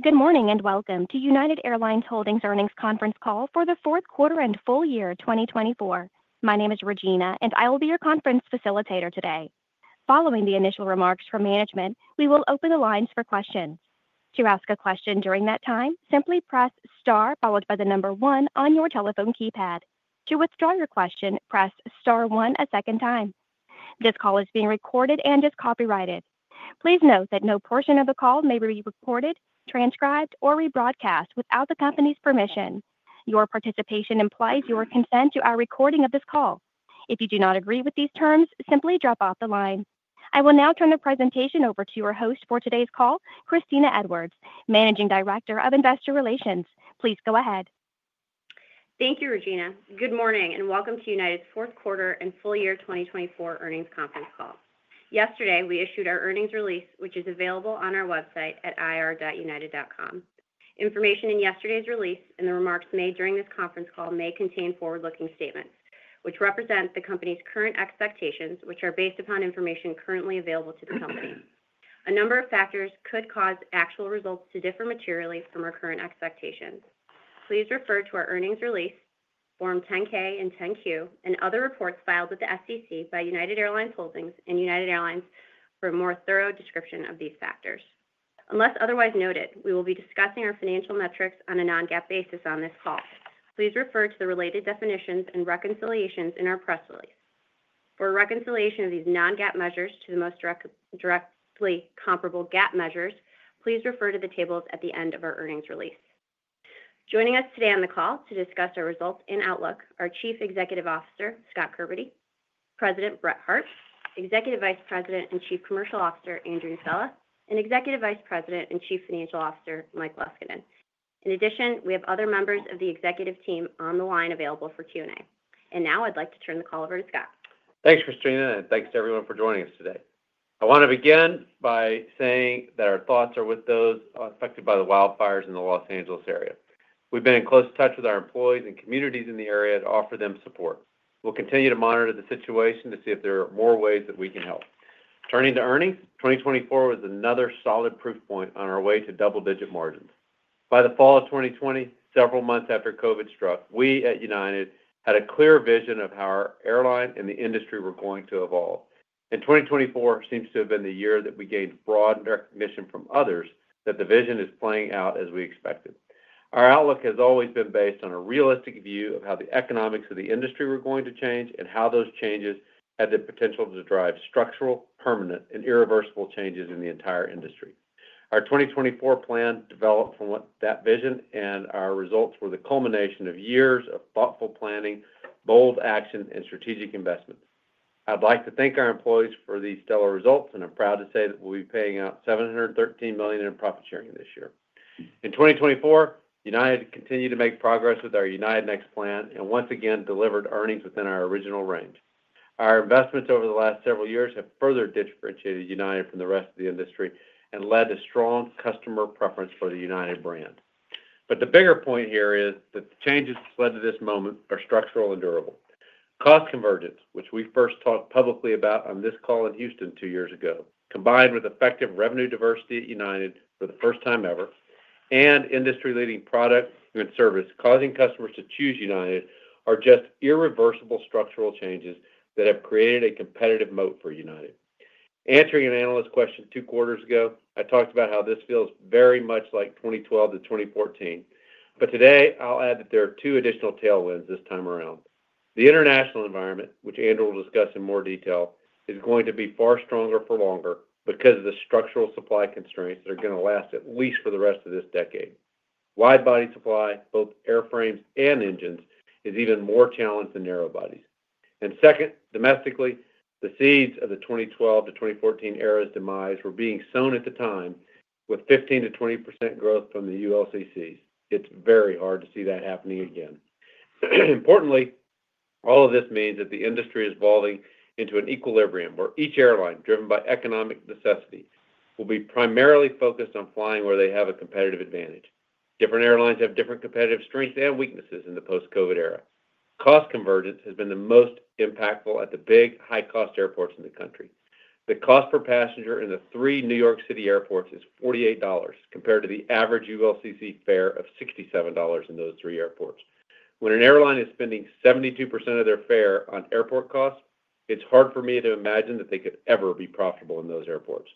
Good morning and welcome to United Airlines Holdings' earnings conference call for the fourth quarter and full year 2024. My name is Regina, and I will be your conference facilitator today. Following the initial remarks from management, we will open the lines for questions. To ask a question during that time, simply press star followed by the number one on your telephone keypad. To withdraw your question, press star one a second time. This call is being recorded and is copyrighted. Please note that no portion of the call may be recorded, transcribed, or rebroadcast without the company's permission. Your participation implies your consent to our recording of this call. If you do not agree with these terms, simply drop off the line. I will now turn the presentation over to your host for today's call, Kristina Edwards, Managing Director of Investor Relations. Please go ahead. Thank you, Regina. Good morning and welcome to United's fourth quarter and full year 2024 earnings conference call. Yesterday, we issued our earnings release, which is available on our website at ir.united.com. Information in yesterday's release and the remarks made during this conference call may contain forward-looking statements, which represent the company's current expectations, which are based upon information currently available to the company. A number of factors could cause actual results to differ materially from our current expectations. Please refer to our earnings release, Form 10-K and 10-Q, and other reports filed with the SEC by United Airlines Holdings and United Airlines for a more thorough description of these factors. Unless otherwise noted, we will be discussing our financial metrics on a non-GAAP basis on this call. Please refer to the related definitions and reconciliations in our press release. For reconciliation of these non-GAAP measures to the most directly comparable GAAP measures, please refer to the tables at the end of our earnings release. Joining us today on the call to discuss our results and outlook are Chief Executive Officer Scott Kirby, President Brett Hart, Executive Vice President and Chief Commercial Officer Andrew Nocella, and Executive Vice President and Chief Financial Officer Mike Leskinen. In addition, we have other members of the executive team on the line available for Q&A. And now I'd like to turn the call over to Scott. Thanks, Kristina, and thanks to everyone for joining us today. I want to begin by saying that our thoughts are with those affected by the wildfires in the Los Angeles area. We've been in close touch with our employees and communities in the area to offer them support. We'll continue to monitor the situation to see if there are more ways that we can help. Turning to earnings, 2024 was another solid proof point on our way to double-digit margins. By the fall of 2020, several months after COVID struck, we at United had a clear vision of how our airline and the industry were going to evolve, and 2024 seems to have been the year that we gained broad recognition from others that the vision is playing out as we expected. Our outlook has always been based on a realistic view of how the economics of the industry were going to change and how those changes had the potential to drive structural, permanent, and irreversible changes in the entire industry. Our 2024 plan developed from that vision, and our results were the culmination of years of thoughtful planning, bold action, and strategic investments. I'd like to thank our employees for these stellar results, and I'm proud to say that we'll be paying out $713 million in profit-sharing this year. In 2024, United continued to make progress with our United Next plan and once again delivered earnings within our original range. Our investments over the last several years have further differentiated United from the rest of the industry and led to strong customer preference for the United brand. But the bigger point here is that the changes that led to this moment are structural and durable. Cost convergence, which we first talked publicly about on this call in Houston two years ago, combined with effective revenue diversity at United for the first time ever, and industry-leading product and service causing customers to choose United are just irreversible structural changes that have created a competitive moat for United. Answering an analyst's question two quarters ago, I talked about how this feels very much like 2012 to 2014, but today I'll add that there are two additional tailwinds this time around. The international environment, which Andrew will discuss in more detail, is going to be far stronger for longer because of the structural supply constraints that are going to last at least for the rest of this decade. Wide-body supply, both airframes and engines, is even more challenged than narrow bodies, and second, domestically, the seeds of the 2012 to 2014 era's demise were being sown at the time with 15%-20% growth from the ULCCs. It's very hard to see that happening again. Importantly, all of this means that the industry is evolving into an equilibrium where each airline, driven by economic necessity, will be primarily focused on flying where they have a competitive advantage. Different airlines have different competitive strengths and weaknesses in the post-COVID era. Cost convergence has been the most impactful at the big, high-cost airports in the country. The cost per passenger in the three New York City airports is $48 compared to the average ULCC fare of $67 in those three airports. When an airline is spending 72% of their fare on airport costs, it's hard for me to imagine that they could ever be profitable in those airports.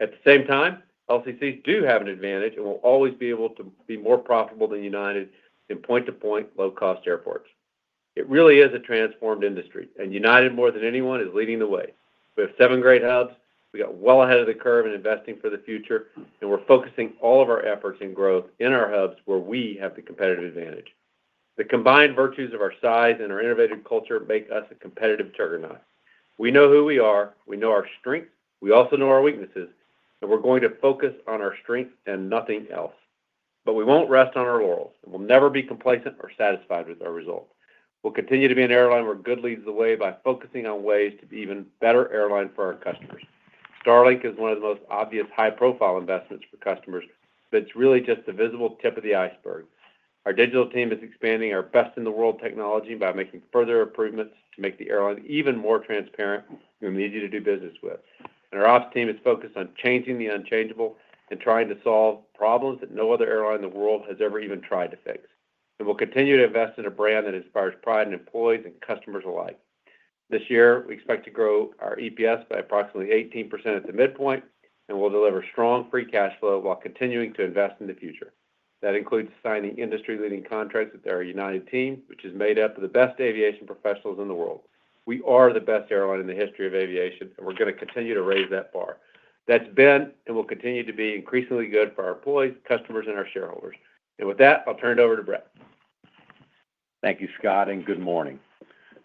At the same time, LCCs do have an advantage and will always be able to be more profitable than United in point-to-point, low-cost airports. It really is a transformed industry, and United, more than anyone, is leading the way. We have seven great hubs. We got well ahead of the curve in investing for the future, and we're focusing all of our efforts and growth in our hubs where we have the competitive advantage. The combined virtues of our size and our innovative culture make us a competitive juggernaut. We know who we are. We know our strengths. We also know our weaknesses, and we're going to focus on our strengths and nothing else. But we won't rest on our laurels, and we'll never be complacent or satisfied with our results. We'll continue to be an airline where good leads the way by focusing on ways to be an even better airline for our customers. Starlink is one of the most obvious high-profile investments for customers, but it's really just the visible tip of the iceberg. Our digital team is expanding our best-in-the-world technology by making further improvements to make the airline even more transparent and easy to do business with. And our ops team is focused on changing the unchangeable and trying to solve problems that no other airline in the world has ever even tried to fix. And we'll continue to invest in a brand that inspires pride in employees and customers alike. This year, we expect to grow our EPS by approximately 18% at the midpoint, and we'll deliver strong free cash flow while continuing to invest in the future. That includes signing industry-leading contracts with our United team, which is made up of the best aviation professionals in the world. We are the best airline in the history of aviation, and we're going to continue to raise that bar. That's been, and we'll continue to be increasingly good for our employees, customers, and our shareholders, and with that, I'll turn it over to Brett. Thank you, Scott, and good morning.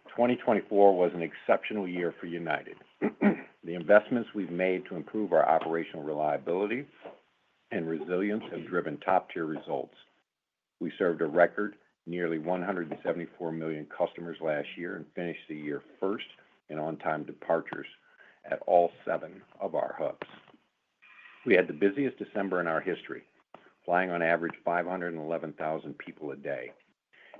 2024 was an exceptional year for United. The investments we've made to improve our operational reliability and resilience have driven top-tier results. We served a record nearly 174 million customers last year and finished the year first in on-time departures at all seven of our hubs. We had the busiest December in our history, flying on average 511,000 people a day,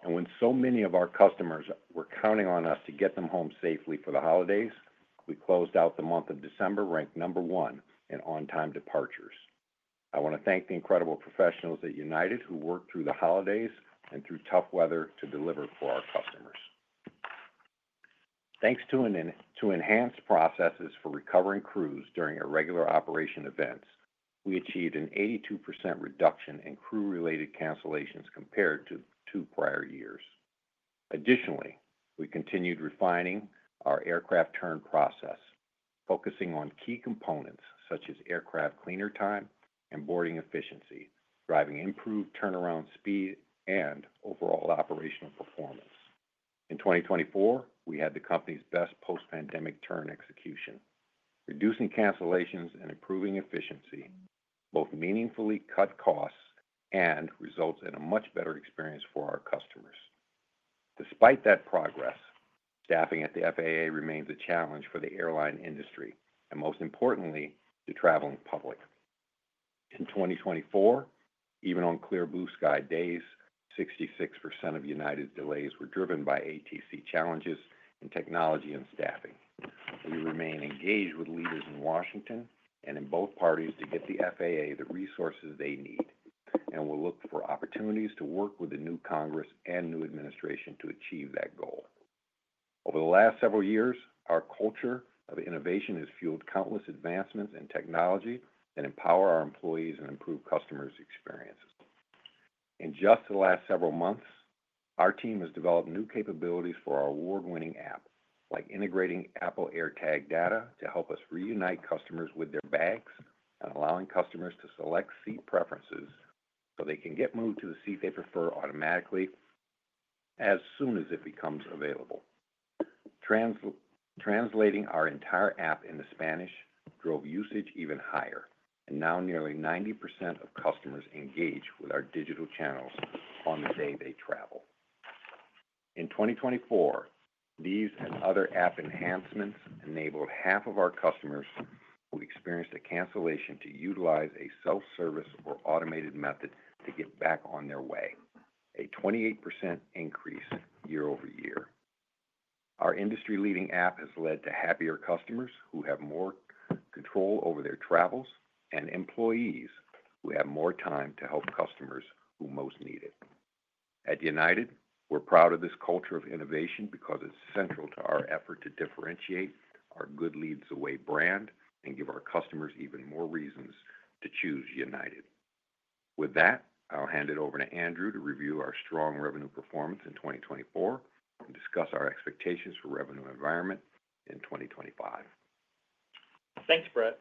and when so many of our customers were counting on us to get them home safely for the holidays, we closed out the month of December ranked number one in on-time departures. I want to thank the incredible professionals at United who worked through the holidays and through tough weather to deliver for our customers. Thanks to enhanced processes for recovering crews during irregular operation events, we achieved an 82% reduction in crew-related cancellations compared to two prior years. Additionally, we continued refining our aircraft turn process, focusing on key components such as aircraft cleaner time and boarding efficiency, driving improved turnaround speed and overall operational performance. In 2024, we had the company's best post-pandemic turn execution, reducing cancellations and improving efficiency, both meaningfully cutting costs and resulting in a much better experience for our customers. Despite that progress, staffing at the FAA remains a challenge for the airline industry and, most importantly, the traveling public. In 2024, even on clear blue sky days, 66% of United's delays were driven by ATC challenges in technology and staffing. We remain engaged with leaders in Washington and in both parties to get the FAA the resources they need, and we'll look for opportunities to work with the new Congress and new administration to achieve that goal. Over the last several years, our culture of innovation has fueled countless advancements in technology that empower our employees and improve customers' experiences. In just the last several months, our team has developed new capabilities for our award-winning app, like integrating Apple AirTag data to help us reunite customers with their bags and allowing customers to select seat preferences so they can get moved to the seat they prefer automatically as soon as it becomes available. Translating our entire app into Spanish drove usage even higher, and now nearly 90% of customers engage with our digital channels on the day they travel. In 2024, these and other app enhancements enabled half of our customers who experienced a cancellation to utilize a self-service or automated method to get back on their way, a 28% increase year over year. Our industry-leading app has led to happier customers who have more control over their travels and employees who have more time to help customers who most need it. At United, we're proud of this culture of innovation because it's central to our effort to differentiate our good old United brand and give our customers even more reasons to choose United. With that, I'll hand it over to Andrew to review our strong revenue performance in 2024 and discuss our expectations for the revenue environment in 2025. Thanks, Brett.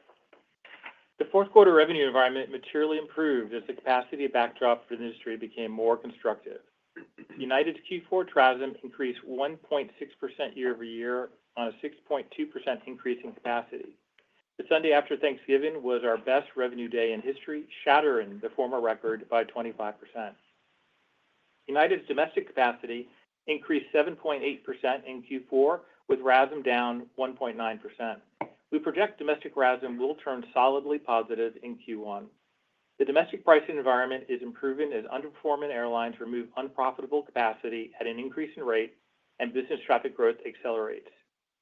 The fourth quarter revenue environment materially improved as the capacity backdrop for the industry became more constructive. United's Q4 RASM increased 1.6% year over year on a 6.2% increase in capacity. The Sunday after Thanksgiving was our best revenue day in history, shattering the former record by 25%. United's domestic capacity increased 7.8% in Q4, with RASM down 1.9%. We project domestic RASM will turn solidly positive in Q1. The domestic pricing environment is improving as underperforming airlines remove unprofitable capacity at an increasing rate and business traffic growth accelerates.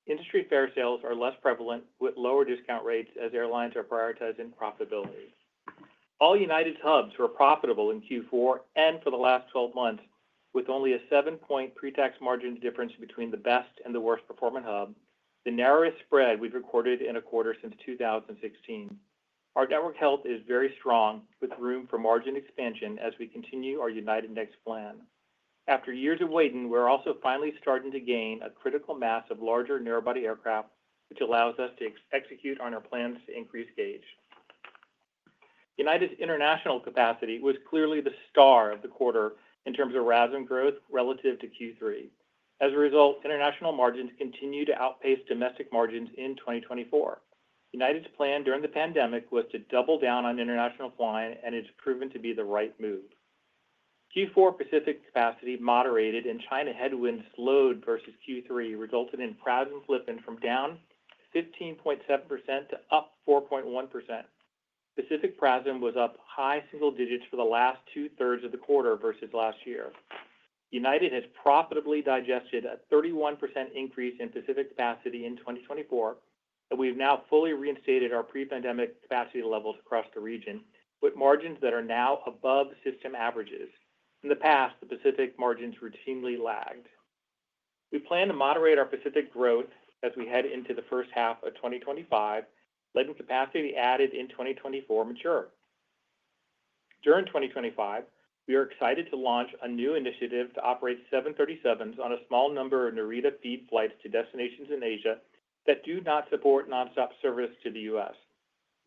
Industry fare sales are less prevalent with lower discount rates as airlines are prioritizing profitability. All United's hubs were profitable in Q4 and for the last 12 months, with only a 7-point pre-tax margin difference between the best and the worst performing hub, the narrowest spread we've recorded in a quarter since 2016. Our network health is very strong, with room for margin expansion as we continue our United Next plan. After years of waiting, we're also finally starting to gain a critical mass of larger narrow-body aircraft, which allows us to execute on our plans to increase gauge. United's international capacity was clearly the star of the quarter in terms of RASM growth relative to Q3. As a result, international margins continue to outpace domestic margins in 2024. United's plan during the pandemic was to double down on international flying, and it's proven to be the right move. Q4 Pacific capacity moderated, and China headwinds slowed versus Q3, resulting in PRASM flipping from down 15.7% to up 4.1%. Pacific PRASM was up high single digits for the last two-thirds of the quarter versus last year. United has profitably digested a 31% increase in Pacific capacity in 2024, and we have now fully reinstated our pre-pandemic capacity levels across the region with margins that are now above system averages. In the past, the Pacific margins routinely lagged. We plan to moderate our Pacific growth as we head into the first half of 2025, letting capacity added in 2024 mature. During 2025, we are excited to launch a new initiative to operate 737s on a small number of Narita feed flights to destinations in Asia that do not support nonstop service to the U.S.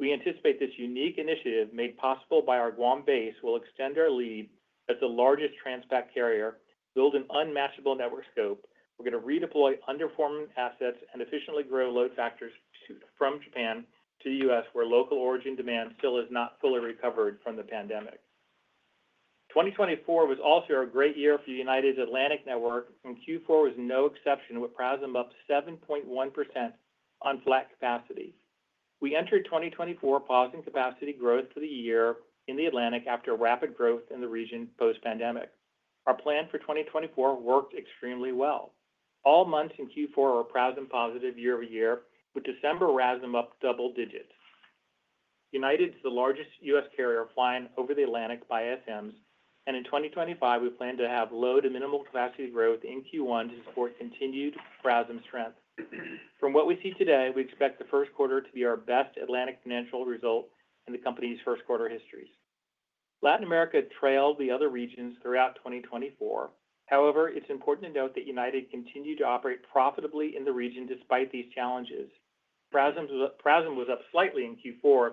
We anticipate this unique initiative, made possible by our Guam base, will extend our lead as the largest transpacific carrier, build an unmatchable network scope. We're going to redeploy underperforming assets and efficiently grow load factors from Japan to the U.S., where local origin demand still has not fully recovered from the pandemic. 2024 was also a great year for United's Atlantic network, and Q4 was no exception, with PRASM up 7.1% on flat capacity. We entered 2024 pausing capacity growth for the year in the Atlantic after rapid growth in the region post-pandemic. Our plan for 2024 worked extremely well. All months in Q4 were PRASM positive year over year, with December PRASM up double digits. United is the largest U.S. carrier flying over the Atlantic by ASMs, and in 2025, we plan to have low to minimal capacity growth in Q1 to support continued PRASM strength. From what we see today, we expect the first quarter to be our best Atlantic financial result in the company's first quarter histories. Latin America trailed the other regions throughout 2024. However, it's important to note that United continued to operate profitably in the region despite these challenges. PRASM was up slightly in Q4,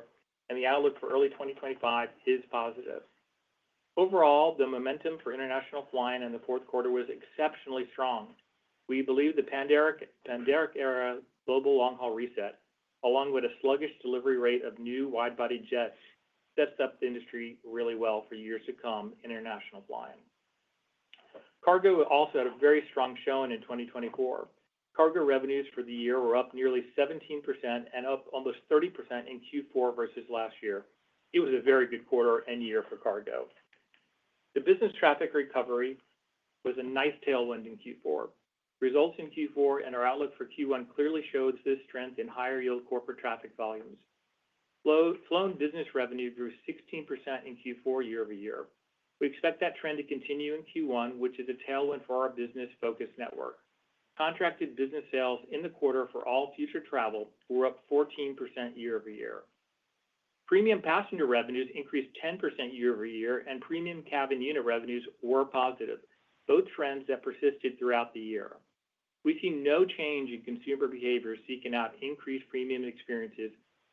and the outlook for early 2025 is positive. Overall, the momentum for international flying in the fourth quarter was exceptionally strong. We believe the pandemic era global long-haul reset, along with a sluggish delivery rate of new wide-body jets, sets up the industry really well for years to come in international flying. Cargo also had a very strong showing in 2024. Cargo revenues for the year were up nearly 17% and up almost 30% in Q4 versus last year. It was a very good quarter and year for Cargo. The business traffic recovery was a nice tailwind in Q4. Results in Q4 and our outlook for Q1 clearly showed this strength in higher-yield corporate traffic volumes. Flown business revenue grew 16% in Q4 year over year. We expect that trend to continue in Q1, which is a tailwind for our business-focused network. Contracted business sales in the quarter for all future travel were up 14% year over year. Premium passenger revenues increased 10% year over year, and premium cabin unit revenues were positive, both trends that persisted throughout the year. We see no change in consumer behavior seeking out increased premium experiences,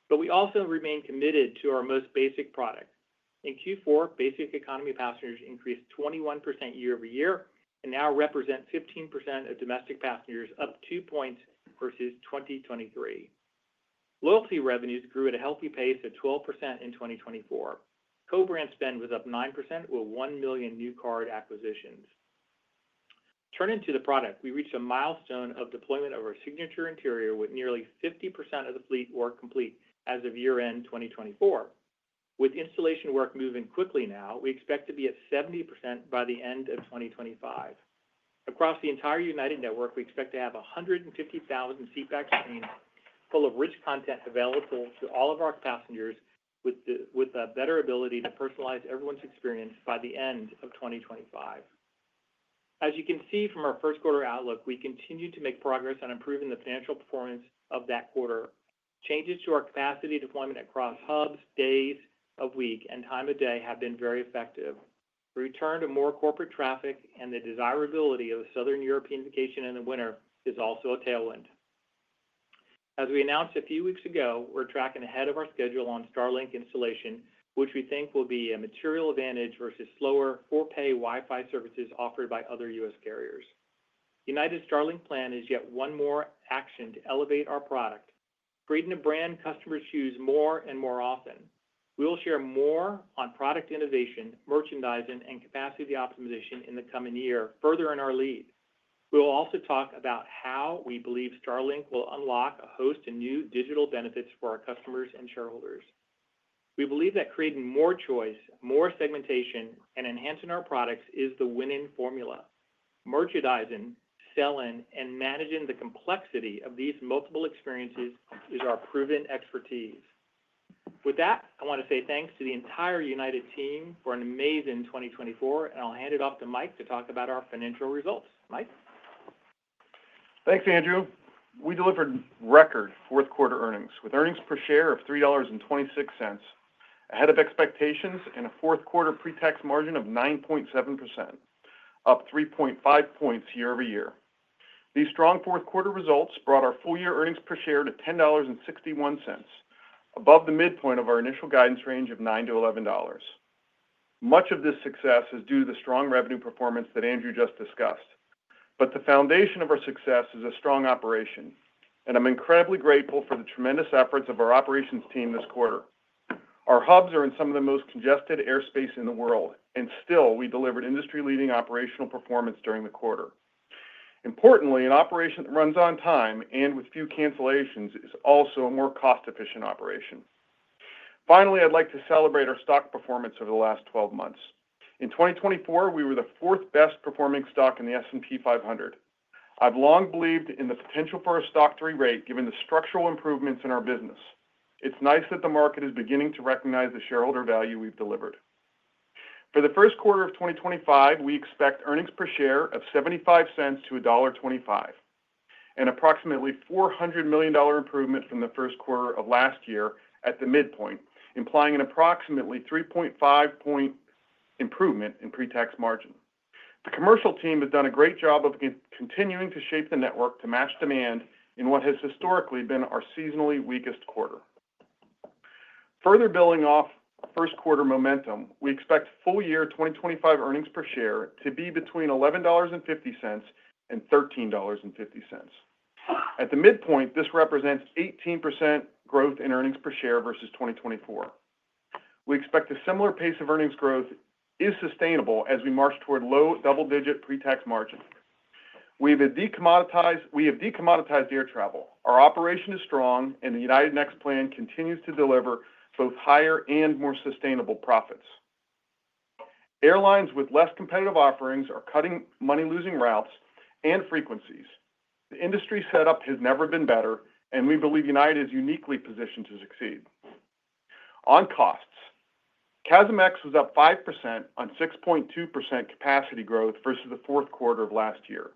but we also remain committed to our most basic product. In Q4, Basic Economy passengers increased 21% year over year and now represent 15% of domestic passengers, up two points versus 2023. Loyalty revenues grew at a healthy pace at 12% in 2024. Co-brand spend was up 9% with 1 million new card acquisitions. Turning to the product, we reached a milestone of deployment of our Signature Interior, with nearly 50% of the fleet work complete as of year-end 2024. With installation work moving quickly now, we expect to be at 70% by the end of 2025. Across the entire United network, we expect to have 150,000 seatback screens full of rich content available to all of our passengers, with a better ability to personalize everyone's experience by the end of 2025. As you can see from our first quarter outlook, we continue to make progress on improving the financial performance of that quarter. Changes to our capacity deployment across hubs, days of week, and time of day have been very effective. The return to more corporate traffic and the desirability of a Southern European vacation in the winter is also a tailwind. As we announced a few weeks ago, we're tracking ahead of our schedule on Starlink installation, which we think will be a material advantage versus slower for-pay Wi-Fi services offered by other U.S. carriers. United's Starlink plan is yet one more action to elevate our product, creating a brand customers choose more and more often. We will share more on product innovation, merchandising, and capacity optimization in the coming year, furthering our lead. We will also talk about how we believe Starlink will unlock a host of new digital benefits for our customers and shareholders. We believe that creating more choice, more segmentation, and enhancing our products is the winning formula. Merchandising, selling, and managing the complexity of these multiple experiences is our proven expertise. With that, I want to say thanks to the entire United team for an amazing 2024, and I'll hand it off to Mike to talk about our financial results. Mike. Thanks, Andrew. We delivered record fourth quarter earnings, with earnings per share of $3.26 ahead of expectations and a fourth quarter pre-tax margin of 9.7%, up 3.5 points year over year. These strong fourth quarter results brought our full-year earnings per share to $10.61, above the midpoint of our initial guidance range of $9-$11. Much of this success is due to the strong revenue performance that Andrew just discussed, but the foundation of our success is a strong operation, and I'm incredibly grateful for the tremendous efforts of our operations team this quarter. Our hubs are in some of the most congested airspace in the world, and still, we delivered industry-leading operational performance during the quarter. Importantly, an operation that runs on time and with few cancellations is also a more cost-efficient operation. Finally, I'd like to celebrate our stock performance over the last 12 months. In 2024, we were the fourth best-performing stock in the S&P 500. I've long believed in the potential for an IG rating given the structural improvements in our business. It's nice that the market is beginning to recognize the shareholder value we've delivered. For the first quarter of 2025, we expect earnings per share of $0.75-$1.25, an approximately $400 million improvement from the first quarter of last year at the midpoint, implying an approximately 3.5-point improvement in pre-tax margin. The commercial team has done a great job of continuing to shape the network to match demand in what has historically been our seasonally weakest quarter. Further building off first quarter momentum, we expect full-year 2025 earnings per share to be between $11.50 and $13.50. At the midpoint, this represents 18% growth in earnings per share versus 2024. We expect a similar pace of earnings growth is sustainable as we march toward low double-digit pre-tax margins. We have decommoditized air travel. Our operation is strong, and the United Next plan continues to deliver both higher and more sustainable profits. Airlines with less competitive offerings are cutting money-losing routes and frequencies. The industry setup has never been better, and we believe United is uniquely positioned to succeed. On costs, CASM-ex was up 5% on 6.2% capacity growth versus the fourth quarter of last year.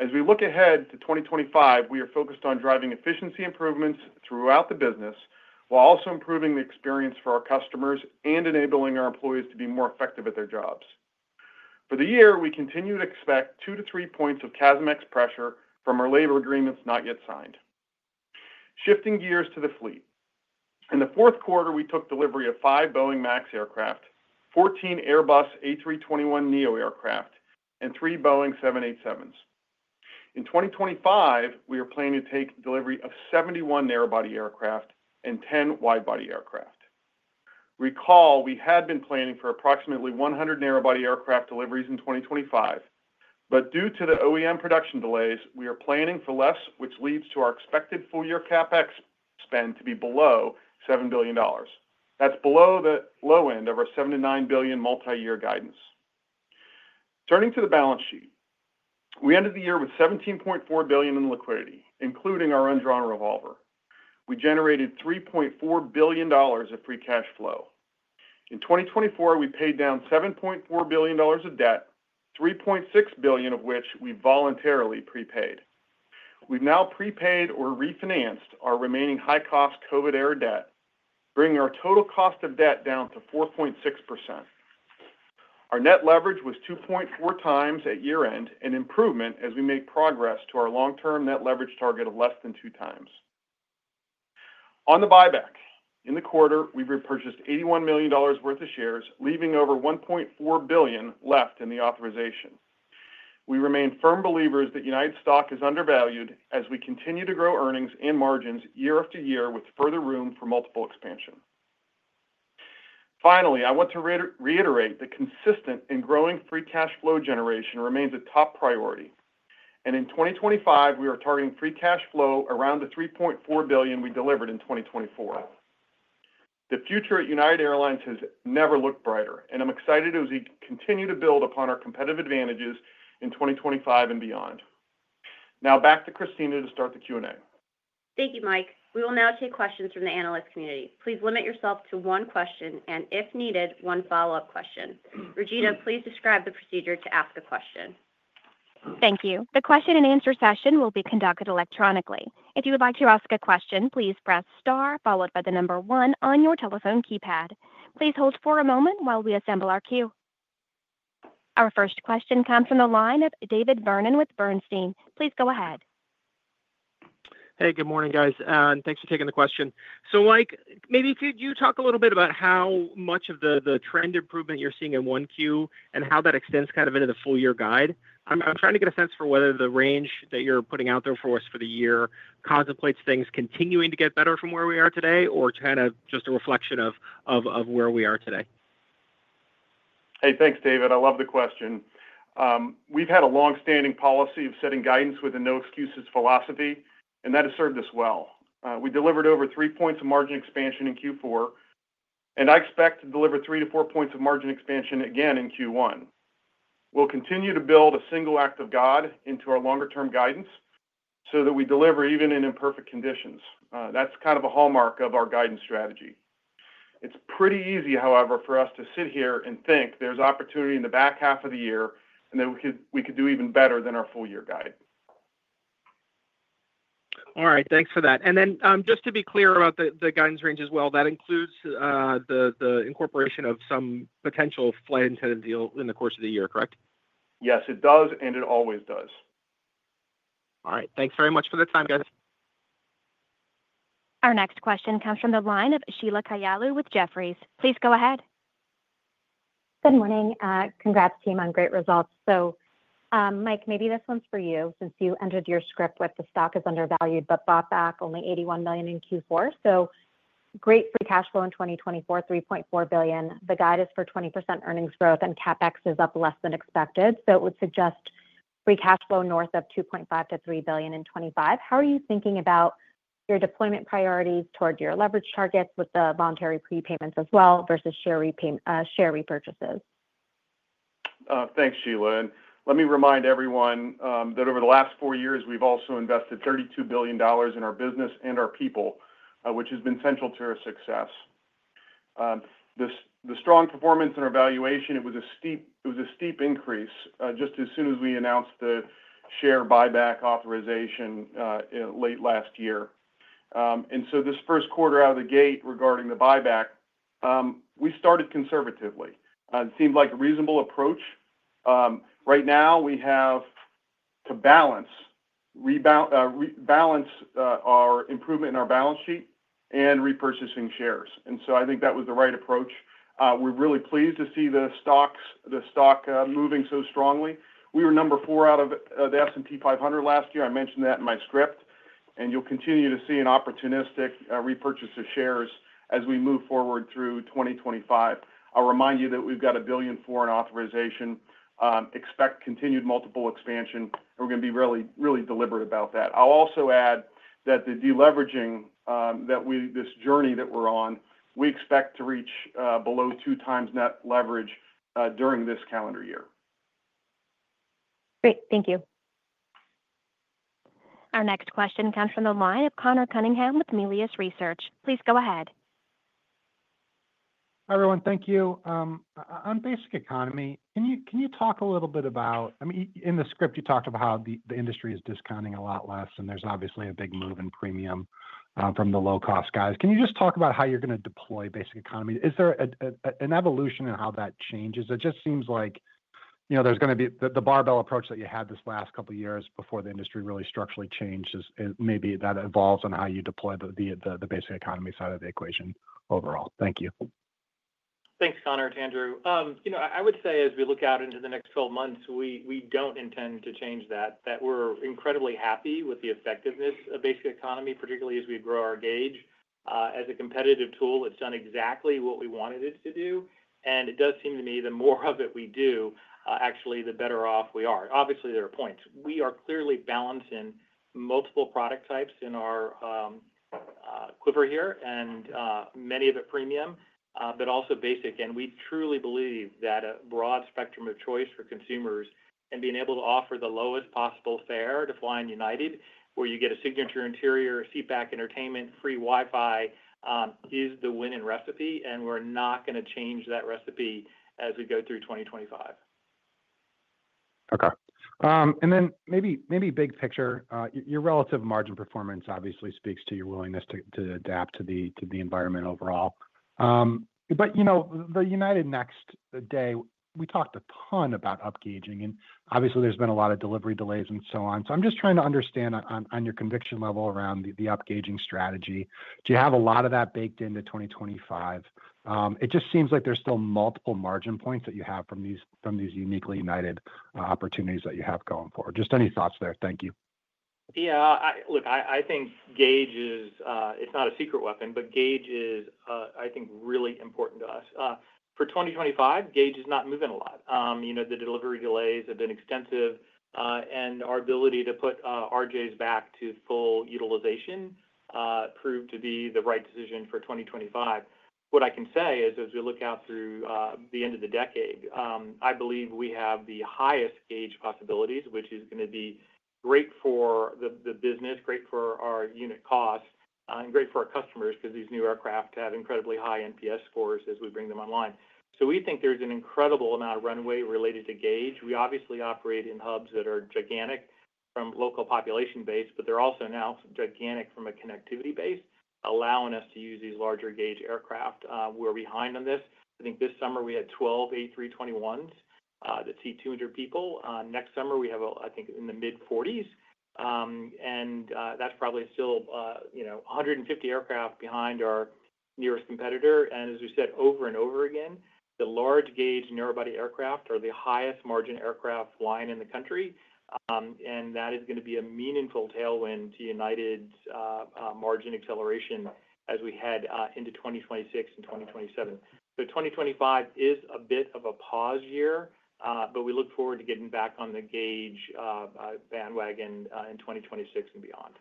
As we look ahead to 2025, we are focused on driving efficiency improvements throughout the business while also improving the experience for our customers and enabling our employees to be more effective at their jobs. For the year, we continue to expect two to three points of CASM-ex pressure from our labor agreements not yet signed. Shifting gears to the fleet, in the fourth quarter, we took delivery of five Boeing MAX aircraft, 14 Airbus A321neo aircraft, and three Boeing 787s. In 2025, we are planning to take delivery of 71 narrow-body aircraft and 10 wide-body aircraft. Recall, we had been planning for approximately 100 narrow-body aircraft deliveries in 2025, but due to the OEM production delays, we are planning for less, which leads to our expected full-year CapEx spend to be below $7 billion. That's below the low end of our $7 billion-$9 billion multi-year guidance. Turning to the balance sheet, we ended the year with $17.4 billion in liquidity, including our undrawn revolver. We generated $3.4 billion of free cash flow. In 2024, we paid down $7.4 billion of debt, $3.6 billion of which we voluntarily prepaid. We've now prepaid or refinanced our remaining high-cost COVID-era debt, bringing our total cost of debt down to 4.6%. Our net leverage was 2.4 times at year-end, an improvement as we make progress to our long-term net leverage target of less than two times. On the buyback, in the quarter, we've repurchased $81 million worth of shares, leaving over $1.4 billion left in the authorization. We remain firm believers that United stock is undervalued as we continue to grow earnings and margins year after year with further room for multiple expansion. Finally, I want to reiterate that consistent and growing free cash flow generation remains a top priority, and in 2025, we are targeting free cash flow around the $3.4 billion we delivered in 2024. The future at United Airlines has never looked brighter, and I'm excited as we continue to build upon our competitive advantages in 2025 and beyond. Now, back to Kristina to start the Q&A. Thank you, Mike. We will now take questions from the analyst community. Please limit yourself to one question and, if needed, one follow-up question. Regina, please describe the procedure to ask a question. Thank you. The question-and-answer session will be conducted electronically. If you would like to ask a question, please press star followed by the number one on your telephone keypad. Please hold for a moment while we assemble our queue. Our first question comes from the line of David Vernon with Bernstein. Please go ahead. Hey, good morning, guys, and thanks for taking the question. So, Mike, maybe could you talk a little bit about how much of the trend improvement you're seeing in 1Q and how that extends kind of into the full-year guide? I'm trying to get a sense for whether the range that you're putting out there for us for the year contemplates things continuing to get better from where we are today or kind of just a reflection of where we are today. Hey, thanks, David. I love the question. We've had a longstanding policy of setting guidance with a no-excuses philosophy, and that has served us well. We delivered over three points of margin expansion in Q4, and I expect to deliver three to four points of margin expansion again in Q1. We'll continue to build a single act of God into our longer-term guidance so that we deliver even in imperfect conditions. That's kind of a hallmark of our guidance strategy. It's pretty easy, however, for us to sit here and think there's opportunity in the back half of the year and that we could do even better than our full-year guide. All right, thanks for that. And then just to be clear about the guidance range as well, that includes the incorporation of some potential flight attendant deal in the course of the year, correct? Yes, it does, and it always does. All right, thanks very much for the time, guys. Our next question comes from the line of Sheila Kahyaoglu with Jefferies. Please go ahead. Good morning. Congrats, team, on great results. So, Mike, maybe this one's for you since you entered your script with the stock is undervalued but bought back only $81 million in Q4. So, great free cash flow in 2024, $3.4 billion. The guide is for 20% earnings growth, and CapEx is up less than expected. So, it would suggest free cash flow north of $2.5-$3 billion in 2025. How are you thinking about your deployment priorities toward your leverage targets with the voluntary prepayments as well versus share repurchases? Thanks, Sheila. And let me remind everyone that over the last four years, we've also invested $32 billion in our business and our people, which has been central to our success. The strong performance and our valuation, it was a steep increase just as soon as we announced the share buyback authorization late last year. And so, this first quarter out of the gate regarding the buyback, we started conservatively. It seemed like a reasonable approach. Right now, we have to balance our improvement in our balance sheet and repurchasing shares. And so, I think that was the right approach. We're really pleased to see the stock moving so strongly. We were number four out of the S&P 500 last year. I mentioned that in my script, and you'll continue to see an opportunistic repurchase of shares as we move forward through 2025. I'll remind you that we've got a $1 billion authorization. We expect continued multiple expansion, and we're going to be really deliberate about that. I'll also add that the deleveraging journey that we're on, we expect to reach below two times net leverage during this calendar year. Great. Thank you. Our next question comes from the line of Conor Cunningham with Melius Research. Please go ahead. Hi, everyone. Thank you. On Basic Economy, can you talk a little bit about, I mean, in the script, you talked about how the industry is discounting a lot less, and there's obviously a big move in premium from the low-cost guys? Can you just talk about how you're going to deploy Basic Economy? Is there an evolution in how that changes? It just seems like there's going to be the barbell approach that you had this last couple of years before the industry really structurally changed. Maybe that evolves on how you deploy the Basic Economy side of the equation overall. Thank you. Thanks, Connor, Andrew. You know, I would say as we look out into the next 12 months, we don't intend to change that, that we're incredibly happy with the effectiveness of Basic Economy, particularly as we grow our gauge. As a competitive tool, it's done exactly what we wanted it to do, and it does seem to me the more of it we do, actually, the better off we are. Obviously, there are points. We are clearly balancing multiple product types in our quiver here, and many of it premium, but also basic, and we truly believe that a broad spectrum of choice for consumers and being able to offer the lowest possible fare to fly in United, where you get a Signature Interior, seatback entertainment, free Wi-Fi, is the winning recipe, and we're not going to change that recipe as we go through 2025. Okay, and then maybe big picture, your relative margin performance obviously speaks to your willingness to adapt to the environment overall, but, you know, the United Next, we talked a ton about upgauging, and obviously, there's been a lot of delivery delays and so on, so, I'm just trying to understand on your conviction level around the upgauging strategy. Do you have a lot of that baked into 2025? It just seems like there's still multiple margin points that you have from these uniquely United opportunities that you have going forward. Just any thoughts there? Thank you. Yeah. Look, I think gauge is, it's not a secret weapon, but gauge is, I think, really important to us. For 2025, gauge is not moving a lot. You know, the delivery delays have been extensive, and our ability to put RJs back to full utilization proved to be the right decision for 2025. What I can say is, as we look out through the end of the decade, I believe we have the highest gauge possibilities, which is going to be great for the business, great for our unit cost, and great for our customers because these new aircraft have incredibly high NPS scores as we bring them online. So, we think there's an incredible amount of runway related to gauge. We obviously operate in hubs that are gigantic from local population base, but they're also now gigantic from a connectivity base, allowing us to use these larger gauge aircraft. We're behind on this. I think this summer we had 12 A321s that seat 200 people. Next summer we have, I think, in the mid-40s, and that's probably still, you know, 150 aircraft behind our nearest competitor. And as we said over and over again, the large gauge narrow-body aircraft are the highest margin aircraft line in the country, and that is going to be a meaningful tailwind to United's margin acceleration as we head into 2026 and 2027. So, 2025 is a bit of a pause year, but we look forward to getting back on the gauge bandwagon in 2026 and beyond.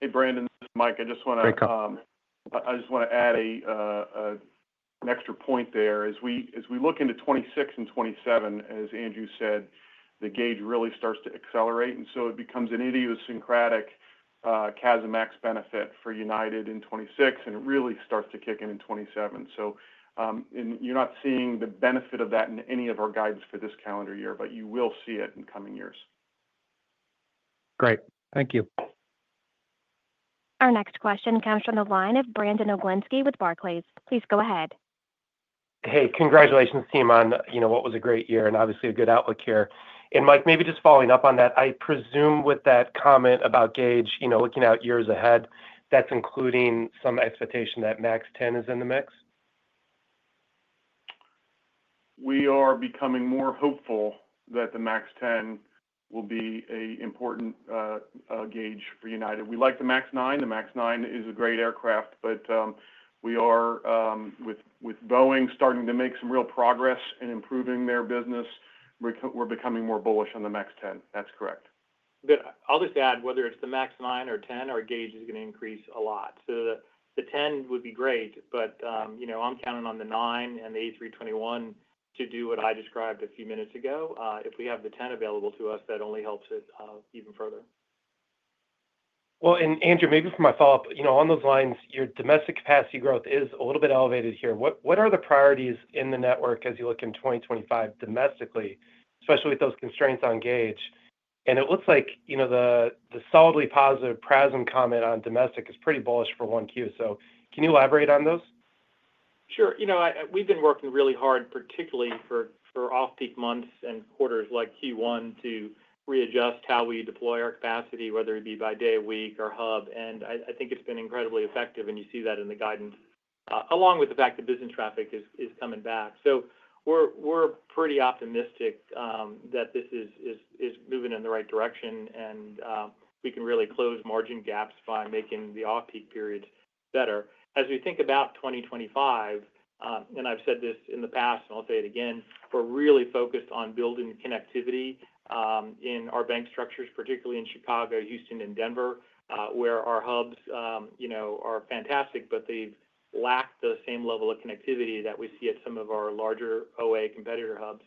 Hey, Brandon, Mike, I just want to add an extra point there. As we look into 2026 and 2027, as Andrew said, the gauge really starts to accelerate, and so it becomes an idiosyncratic CASM-ex benefit for United in 2026, and it really starts to kick in in 2027. So, you're not seeing the benefit of that in any of our guidance for this calendar year, but you will see it in coming years. Great. Thank you. Our next question comes from the line of Brandon Oglenski with Barclays. Please go ahead. Hey, congratulations, team, on, you know, what was a great year and obviously a good outlook here. And, Mike, maybe just following up on that, I presume with that comment about gauge, you know, looking out years ahead, that's including some expectation that MAX 10 is in the mix? We are becoming more hopeful that the MAX 10 will be an important gauge for United. We like the MAX 9. The MAX 9 is a great aircraft, but we are, with Boeing starting to make some real progress and improving their business, we're becoming more bullish on the MAX 10. That's correct. But I'll just add, whether it's the MAX 9 or 10, our gauge is going to increase a lot. So, the 10 would be great, but, you know, I'm counting on the 9 and the A321 to do what I described a few minutes ago. If we have the 10 available to us, that only helps it even further. Andrew, maybe for my follow-up, you know, on those lines, your domestic capacity growth is a little bit elevated here. What are the priorities in the network as you look in 2025 domestically, especially with those constraints on gauge? And it looks like, you know, the solidly positive PRASM comment on domestic is pretty bullish for Q1. So, can you elaborate on those? Sure. You know, we've been working really hard, particularly for off-peak months and quarters like Q1, to readjust how we deploy our capacity, whether it be by day, a week, or hub. And I think it's been incredibly effective, and you see that in the guidance, along with the fact that business traffic is coming back. So, we're pretty optimistic that this is moving in the right direction, and we can really close margin gaps by making the off-peak periods better. As we think about 2025, and I've said this in the past, and I'll say it again, we're really focused on building connectivity in our bank structures, particularly in Chicago, Houston, and Denver, where our hubs, you know, are fantastic, but they lack the same level of connectivity that we see at some of our larger OA competitor hubs.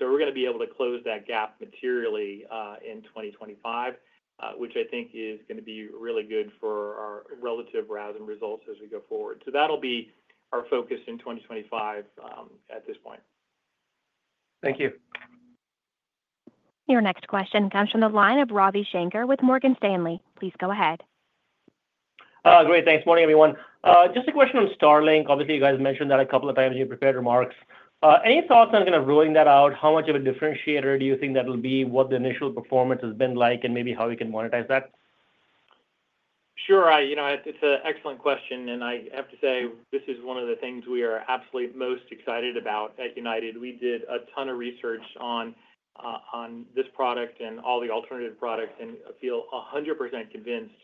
We're going to be able to close that gap materially in 2025, which I think is going to be really good for our relative booking results as we go forward. That'll be our focus in 2025 at this point. Thank you. Your next question comes from the line of Ravi Shanker with Morgan Stanley. Please go ahead. Great. Thanks. Morning, everyone. Just a question on Starlink. Obviously, you guys mentioned that a couple of times in your prepared remarks. Any thoughts on kind of rolling that out? How much of a differentiator do you think that will be? What the initial performance has been like, and maybe how we can monetize that? Sure. You know, it's an excellent question, and I have to say this is one of the things we are absolutely most excited about at United. We did a ton of research on this product and all the alternative products and feel 100% convinced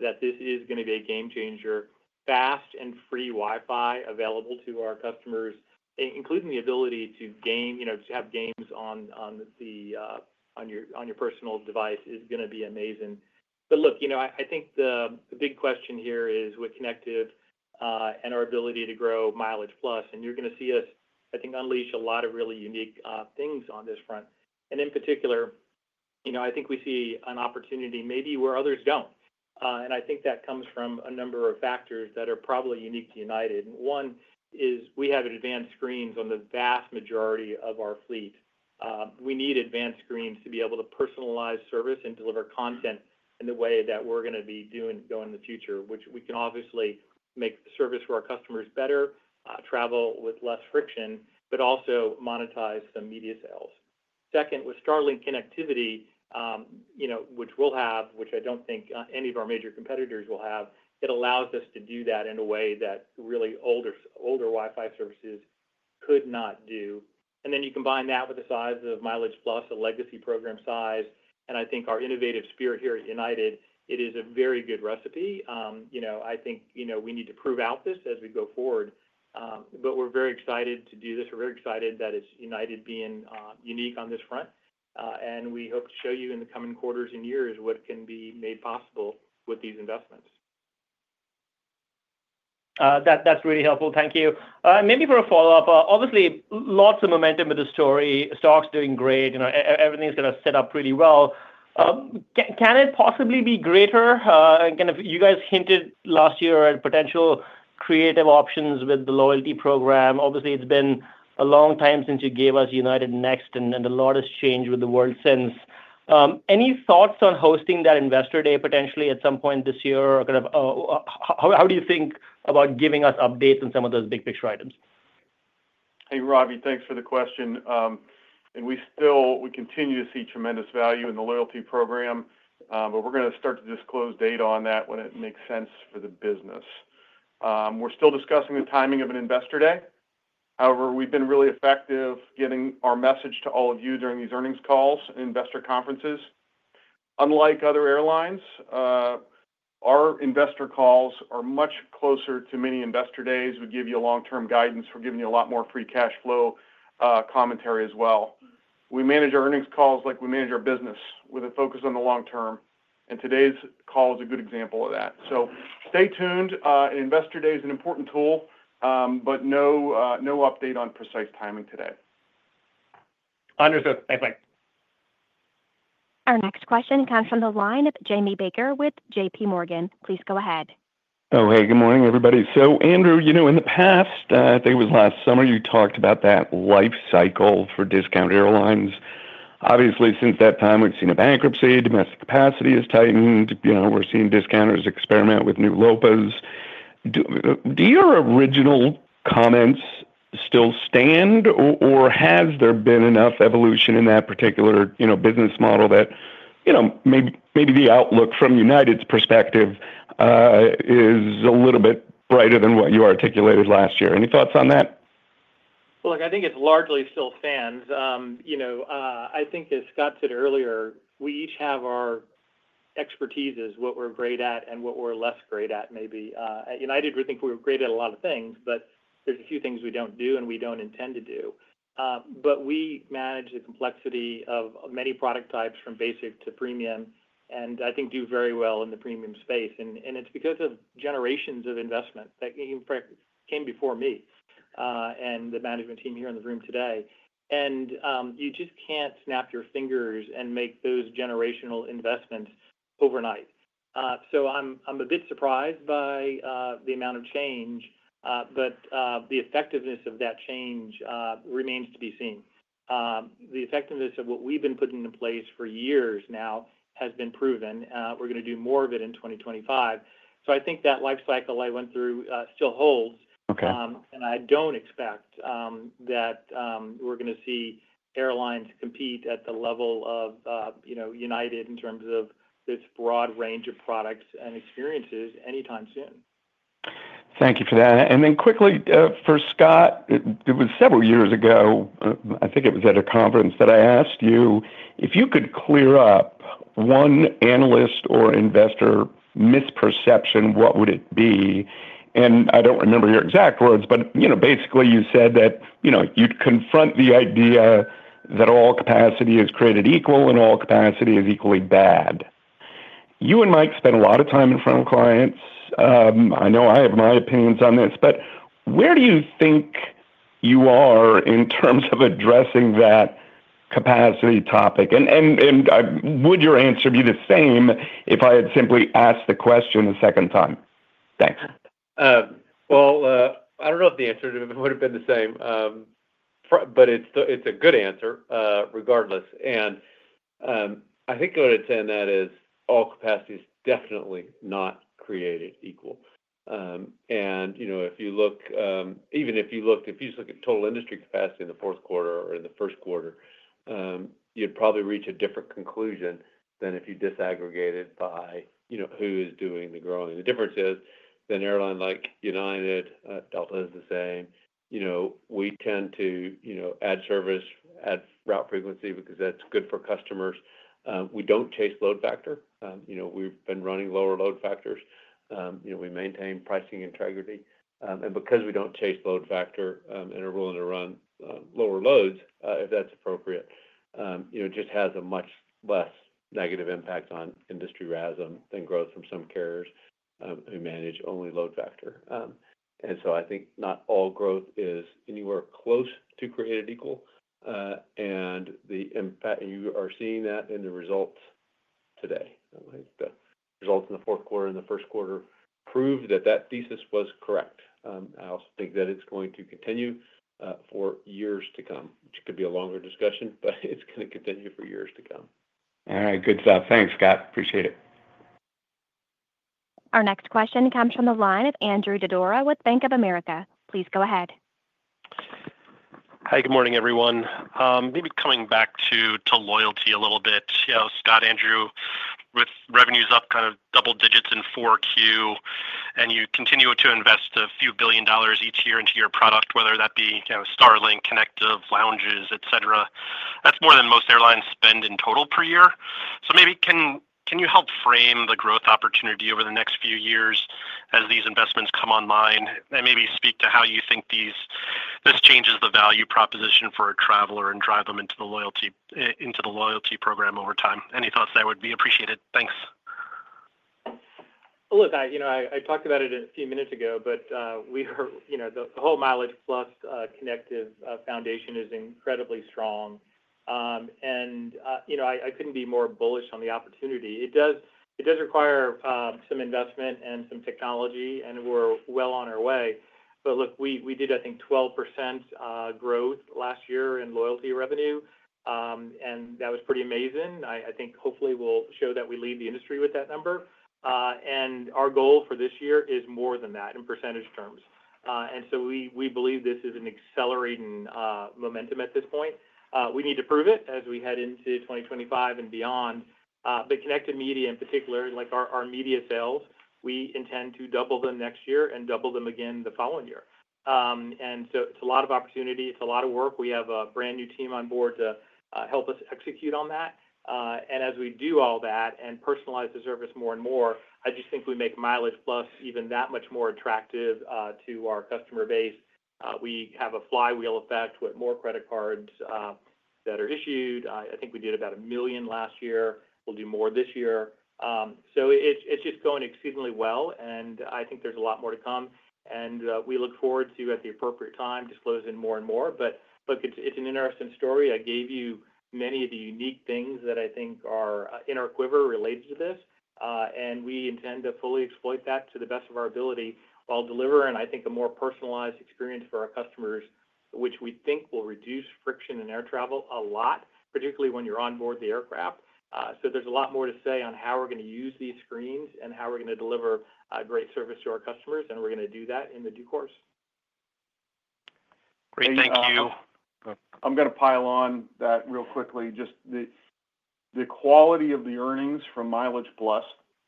that this is going to be a game changer. Fast and free Wi-Fi available to our customers, including the ability to game, you know, to have games on your personal device is going to be amazing. But look, you know, I think the big question here is with connectivity and our ability to grow MileagePlus, and you're going to see us, I think, unleash a lot of really unique things on this front. And in particular, you know, I think we see an opportunity maybe where others don't. And I think that comes from a number of factors that are probably unique to United. And one is we have advanced screens on the vast majority of our fleet. We need advanced screens to be able to personalize service and deliver content in the way that we're going to be doing going in the future, which we can obviously make the service for our customers better, travel with less friction, but also monetize some media sales. Second, with Starlink connectivity, you know, which we'll have, which I don't think any of our major competitors will have, it allows us to do that in a way that really older Wi-Fi services could not do. And then you combine that with the size of MileagePlus, a legacy program size, and I think our innovative spirit here at United, it is a very good recipe. You know, I think, you know, we need to prove out this as we go forward, but we're very excited to do this. We're very excited that it's United being unique on this front, and we hope to show you in the coming quarters and years what can be made possible with these investments. That's really helpful. Thank you. Maybe for a follow-up, obviously, lots of momentum with the story. Stock's doing great. You know, everything's going to set up pretty well. Can it possibly be greater? Kind of you guys hinted last year at potential creative options with the loyalty program. Obviously, it's been a long time since you gave us United Next, and a lot has changed with the world since. Any thoughts on hosting that investor day potentially at some point this year? Kind of how do you think about giving us updates on some of those big picture items? Hey, Ravi, thanks for the question, and we still, we continue to see tremendous value in the loyalty program, but we're going to start to disclose data on that when it makes sense for the business. We're still discussing the timing of an investor day. However, we've been really effective getting our message to all of you during these earnings calls and investor conferences. Unlike other airlines, our investor calls are much closer to many investor days. We give you long-term guidance. We're giving you a lot more free cash flow commentary as well. We manage our earnings calls like we manage our business with a focus on the long term, and today's call is a good example of that, so stay tuned. An investor day is an important tool, but no update on precise timing today. Understood. Thanks, Mike. Our next question comes from the line of Jamie Baker with JPMorgan. Please go ahead. Oh, hey, good morning, everybody. So, Andrew, you know, in the past, I think it was last summer, you talked about that life cycle for discount airlines. Obviously, since that time, we've seen a bankruptcy, domestic capacity has tightened, you know, we're seeing discounters experiment with new LOPAs. Do your original comments still stand, or has there been enough evolution in that particular, you know, business model that, you know, maybe the outlook from United's perspective is a little bit brighter than what you articulated last year? Any thoughts on that? Look, I think it largely still stands. You know, I think, as Scott said earlier, we each have our expertise, what we're great at and what we're less great at maybe. At United, we think we're great at a lot of things, but there's a few things we don't do and we don't intend to do. But we manage the complexity of many product types from basic to premium, and I think do very well in the premium space. And it's because of generations of investment that came before me and the management team here in the room today. And you just can't snap your fingers and make those generational investments overnight. So, I'm a bit surprised by the amount of change, but the effectiveness of that change remains to be seen. The effectiveness of what we've been putting in place for years now has been proven. We're going to do more of it in 2025. So, I think that life cycle I went through still holds. Okay. I don't expect that we're going to see airlines compete at the level of, you know, United in terms of this broad range of products and experiences anytime soon. Thank you for that, and then quickly for Scott, it was several years ago, I think it was at a conference that I asked you if you could clear up one analyst or investor misperception, what would it be? And I don't remember your exact words, but, you know, basically you said that, you know, you'd confront the idea that all capacity is created equal and all capacity is equally bad. You and Mike spend a lot of time in front of clients. I know I have my opinions on this, but where do you think you are in terms of addressing that capacity topic? And would your answer be the same if I had simply asked the question a second time? Thanks. I don't know if the answer would have been the same, but it's a good answer regardless. And I think what I'd say on that is all capacity is definitely not created equal. And, you know, if you just look at total industry capacity in the fourth quarter or in the first quarter, you'd probably reach a different conclusion than if you disaggregate it by, you know, who is doing the growing. The difference is an airline like United, Delta is the same. You know, we tend to, you know, add service, add route frequency because that's good for customers. We don't chase load factor. You know, we've been running lower load factors. You know, we maintain pricing integrity. And because we don't chase load factor and are willing to run lower loads, if that's appropriate, you know, it just has a much less negative impact on industry rhythm than growth from some carriers who manage only load factor. And so, I think not all growth is anywhere close to created equal. And the impact, you are seeing that in the results today. The results in the fourth quarter and the first quarter proved that that thesis was correct. I also think that it's going to continue for years to come, which could be a longer discussion, but it's going to continue for years to come. All right. Good stuff. Thanks, Scott. Appreciate it. Our next question comes from the line of Andrew Didora with Bank of America. Please go ahead. Hi, good morning, everyone. Maybe coming back to loyalty a little bit. You know, Scott, Andrew, with revenues up kind of double digits in 4Q, and you continue to invest a few billion dollars each year into your product, whether that be, you know, Starlink, connectivity, lounges, et cetera. That's more than most airlines spend in total per year. So, maybe can you help frame the growth opportunity over the next few years as these investments come online and maybe speak to how you think this changes the value proposition for a traveler and drive them into the loyalty program over time? Any thoughts there would be appreciated. Thanks. Look, you know, I talked about it a few minutes ago, but we are, you know, the whole mileage plus connective foundation is incredibly strong. You know, I couldn't be more bullish on the opportunity. It does require some investment and some technology, and we're well on our way. Look, we did, I think, 12% growth last year in loyalty revenue, and that was pretty amazing. I think hopefully we'll show that we lead the industry with that number. Our goal for this year is more than that in percentage terms. We believe this is an accelerating momentum at this point. We need to prove it as we head into 2025 and beyond. Kinective Media in particular, like our media sales, we intend to double them next year and double them again the following year. It's a lot of opportunity. It's a lot of work. We have a brand new team on board to help us execute on that and as we do all that and personalize the service more and more, I just think we make MileagePlus even that much more attractive to our customer base. We have a flywheel effect with more credit cards that are issued. I think we did about a million last year. We'll do more this year, so it's just going exceedingly well, and I think there's a lot more to come, and we look forward to, at the appropriate time, disclosing more and more, but look, it's an interesting story. I gave you many of the unique things that I think are in our quiver related to this. We intend to fully exploit that to the best of our ability while delivering, I think, a more personalized experience for our customers, which we think will reduce friction in air travel a lot, particularly when you're on board the aircraft. There's a lot more to say on how we're going to use these screens and how we're going to deliver great service to our customers. We're going to do that in the due course. Great. Thank you. I'm going to pile on that real quickly. Just the quality of the earnings from MileagePlus,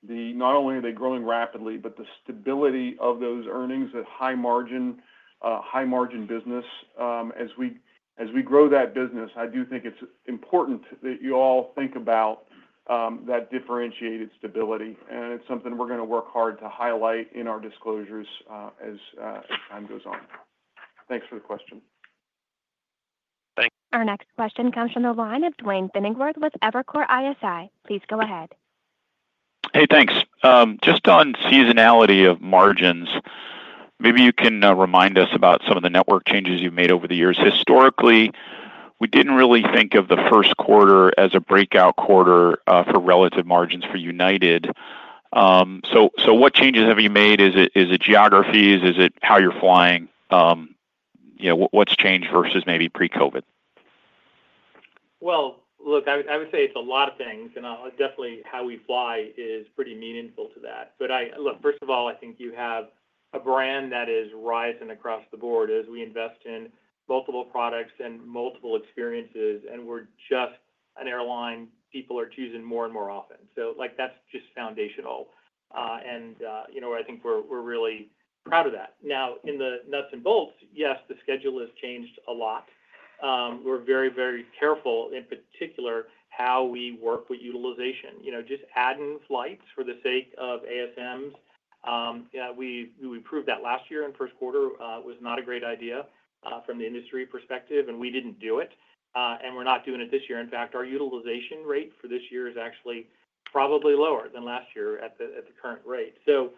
not only are they growing rapidly, but the stability of those earnings, that high margin, high margin business. As we grow that business, I do think it's important that you all think about that differentiated stability, and it's something we're going to work hard to highlight in our disclosures as time goes on. Thanks for the question. Thanks. Our next question comes from the line of Duane Pfennigwerth with Evercore ISI. Please go ahead. Hey, thanks. Just on seasonality of margins, maybe you can remind us about some of the network changes you've made over the years. Historically, we didn't really think of the first quarter as a breakout quarter for relative margins for United. So, what changes have you made? Is it geographies? Is it how you're flying? You know, what's changed versus maybe pre-COVID? Look, I would say it's a lot of things, and definitely how we fly is pretty meaningful to that. Look, first of all, I think you have a brand that is rising across the board as we invest in multiple products and multiple experiences, and we're just an airline people are choosing more and more often. Like, that's just foundational, you know, and I think we're really proud of that. In the nuts and bolts, yes, the schedule has changed a lot. We're very, very careful, in particular, how we work with utilization. You know, just adding flights for the sake of ASMs. We proved that last year in first quarter was not a great idea from the industry perspective, and we didn't do it. We're not doing it this year. In fact, our utilization rate for this year is actually probably lower than last year at the current rate, so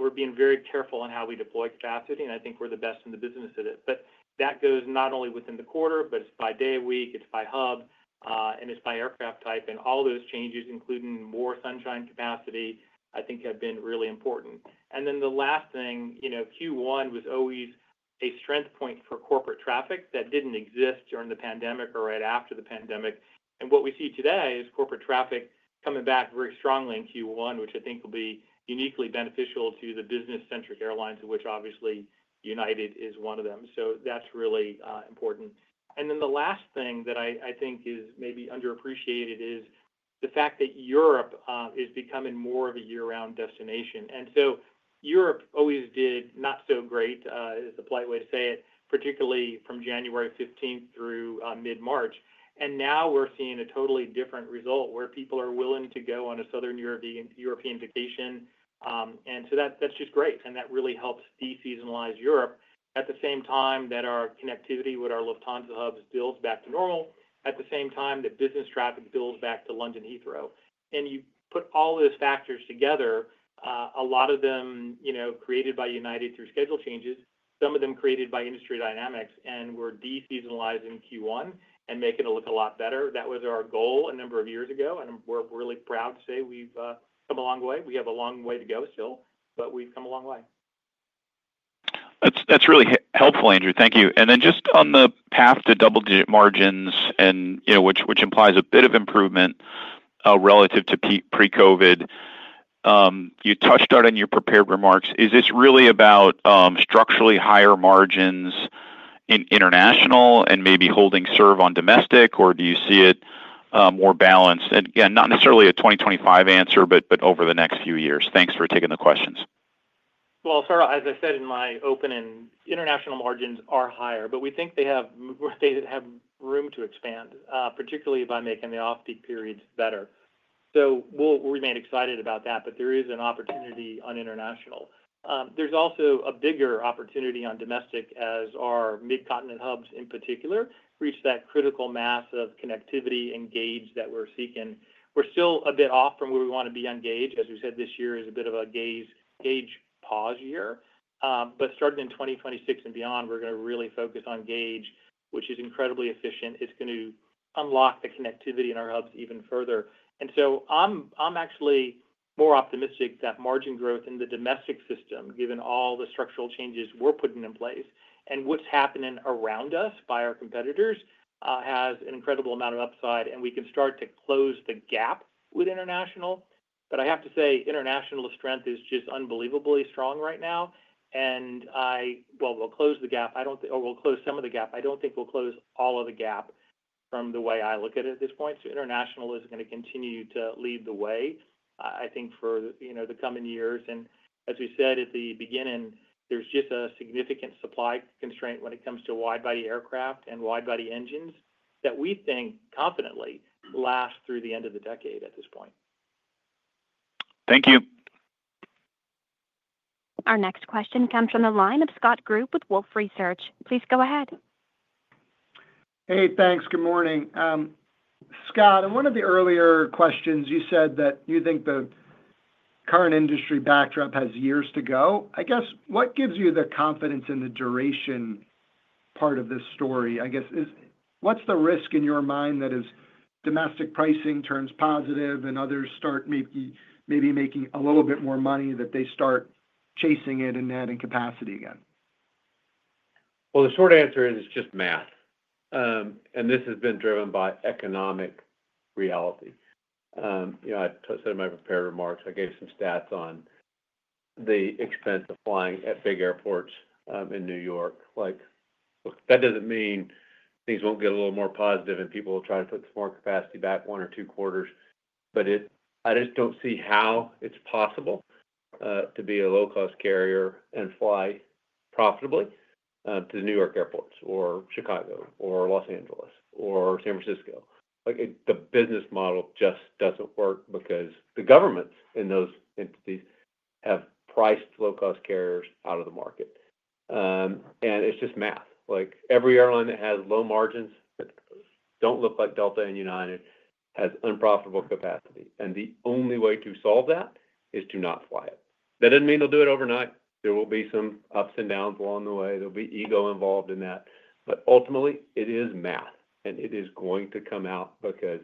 we're being very careful on how we deploy capacity, and I think we're the best in the business of it, but that goes not only within the quarter, but it's by day of week, it's by hub, and it's by aircraft type, and all those changes, including more sunshine capacity, I think have been really important, and then the last thing, you know, Q1 was always a strong point for corporate traffic that didn't exist during the pandemic or right after the pandemic, and what we see today is corporate traffic coming back very strongly in Q1, which I think will be uniquely beneficial to the business-centric airlines, of which obviously United is one of them, so that's really important. And then the last thing that I think is maybe underappreciated is the fact that Europe is becoming more of a year-round destination. And so, Europe always did not so great, is the polite way to say it, particularly from January 15th through mid-March. And now we're seeing a totally different result where people are willing to go on a Southern European vacation. And so, that's just great. And that really helps deseasonalize Europe at the same time that our connectivity with our Lufthansa hubs builds back to normal, at the same time that business traffic builds back to London Heathrow. And you put all those factors together, a lot of them, you know, created by United through schedule changes, some of them created by industry dynamics, and we're de-seasonalizing Q1 and making it look a lot better. That was our goal a number of years ago. We're really proud to say we've come a long way. We have a long way to go still, but we've come a long way. That's really helpful, Andrew. Thank you. And then just on the path to double-digit margins and, you know, which implies a bit of improvement relative to pre-COVID, you touched on in your prepared remarks. Is this really about structurally higher margins in international and maybe holding serve on domestic, or do you see it more balanced? And again, not necessarily a 2025 answer, but over the next few years. Thanks for taking the questions. As I said in my opening, international margins are higher, but we think they have room to expand, particularly by making the off-peak periods better. So, we'll remain excited about that, but there is an opportunity on international. There's also a bigger opportunity on domestic as our mid-continent hubs in particular reach that critical mass of connectivity and gauge that we're seeking. We're still a bit off from where we want to be on gauge. As we said, this year is a bit of a gauge pause year. But starting in 2026 and beyond, we're going to really focus on gauge, which is incredibly efficient. It's going to unlock the connectivity in our hubs even further. I'm actually more optimistic that margin growth in the domestic system, given all the structural changes we're putting in place and what's happening around us by our competitors, has an incredible amount of upside. We can start to close the gap with international. But I have to say, international strength is just unbelievably strong right now. I, well, we'll close the gap. I don't think, or we'll close some of the gap. I don't think we'll close all of the gap from the way I look at it at this point. International is going to continue to lead the way, I think, for, you know, the coming years. As we said at the beginning, there's just a significant supply constraint when it comes to wide-body aircraft and wide-body engines that we think confidently last through the end of the decade at this point. Thank you. Our next question comes from the line of Scott Group with Wolfe Research. Please go ahead. Hey, thanks. Good morning. Scott, in one of the earlier questions, you said that you think the current industry backdrop has years to go. I guess what gives you the confidence in the duration part of this story? I guess, what's the risk in your mind that as domestic pricing turns positive and others start maybe making a little bit more money, that they start chasing it and adding capacity again? The short answer is it's just math, and this has been driven by economic reality. You know, I said in my prepared remarks, I gave some stats on the expense of flying at big airports in New York. Like, look, that doesn't mean things won't get a little more positive and people will try to put some more capacity back one or two quarters, but I just don't see how it's possible to be a low-cost carrier and fly profitably to the New York airports or Chicago or Los Angeles or San Francisco. Like, the business model just doesn't work because the governments in those entities have priced low-cost carriers out of the market, and it's just math. Like, every airline that has low margins that don't look like Delta and United has unprofitable capacity, and the only way to solve that is to not fly it. That doesn't mean they'll do it overnight. There will be some ups and downs along the way. There'll be ego involved in that. But ultimately, it is math. And it is going to come out because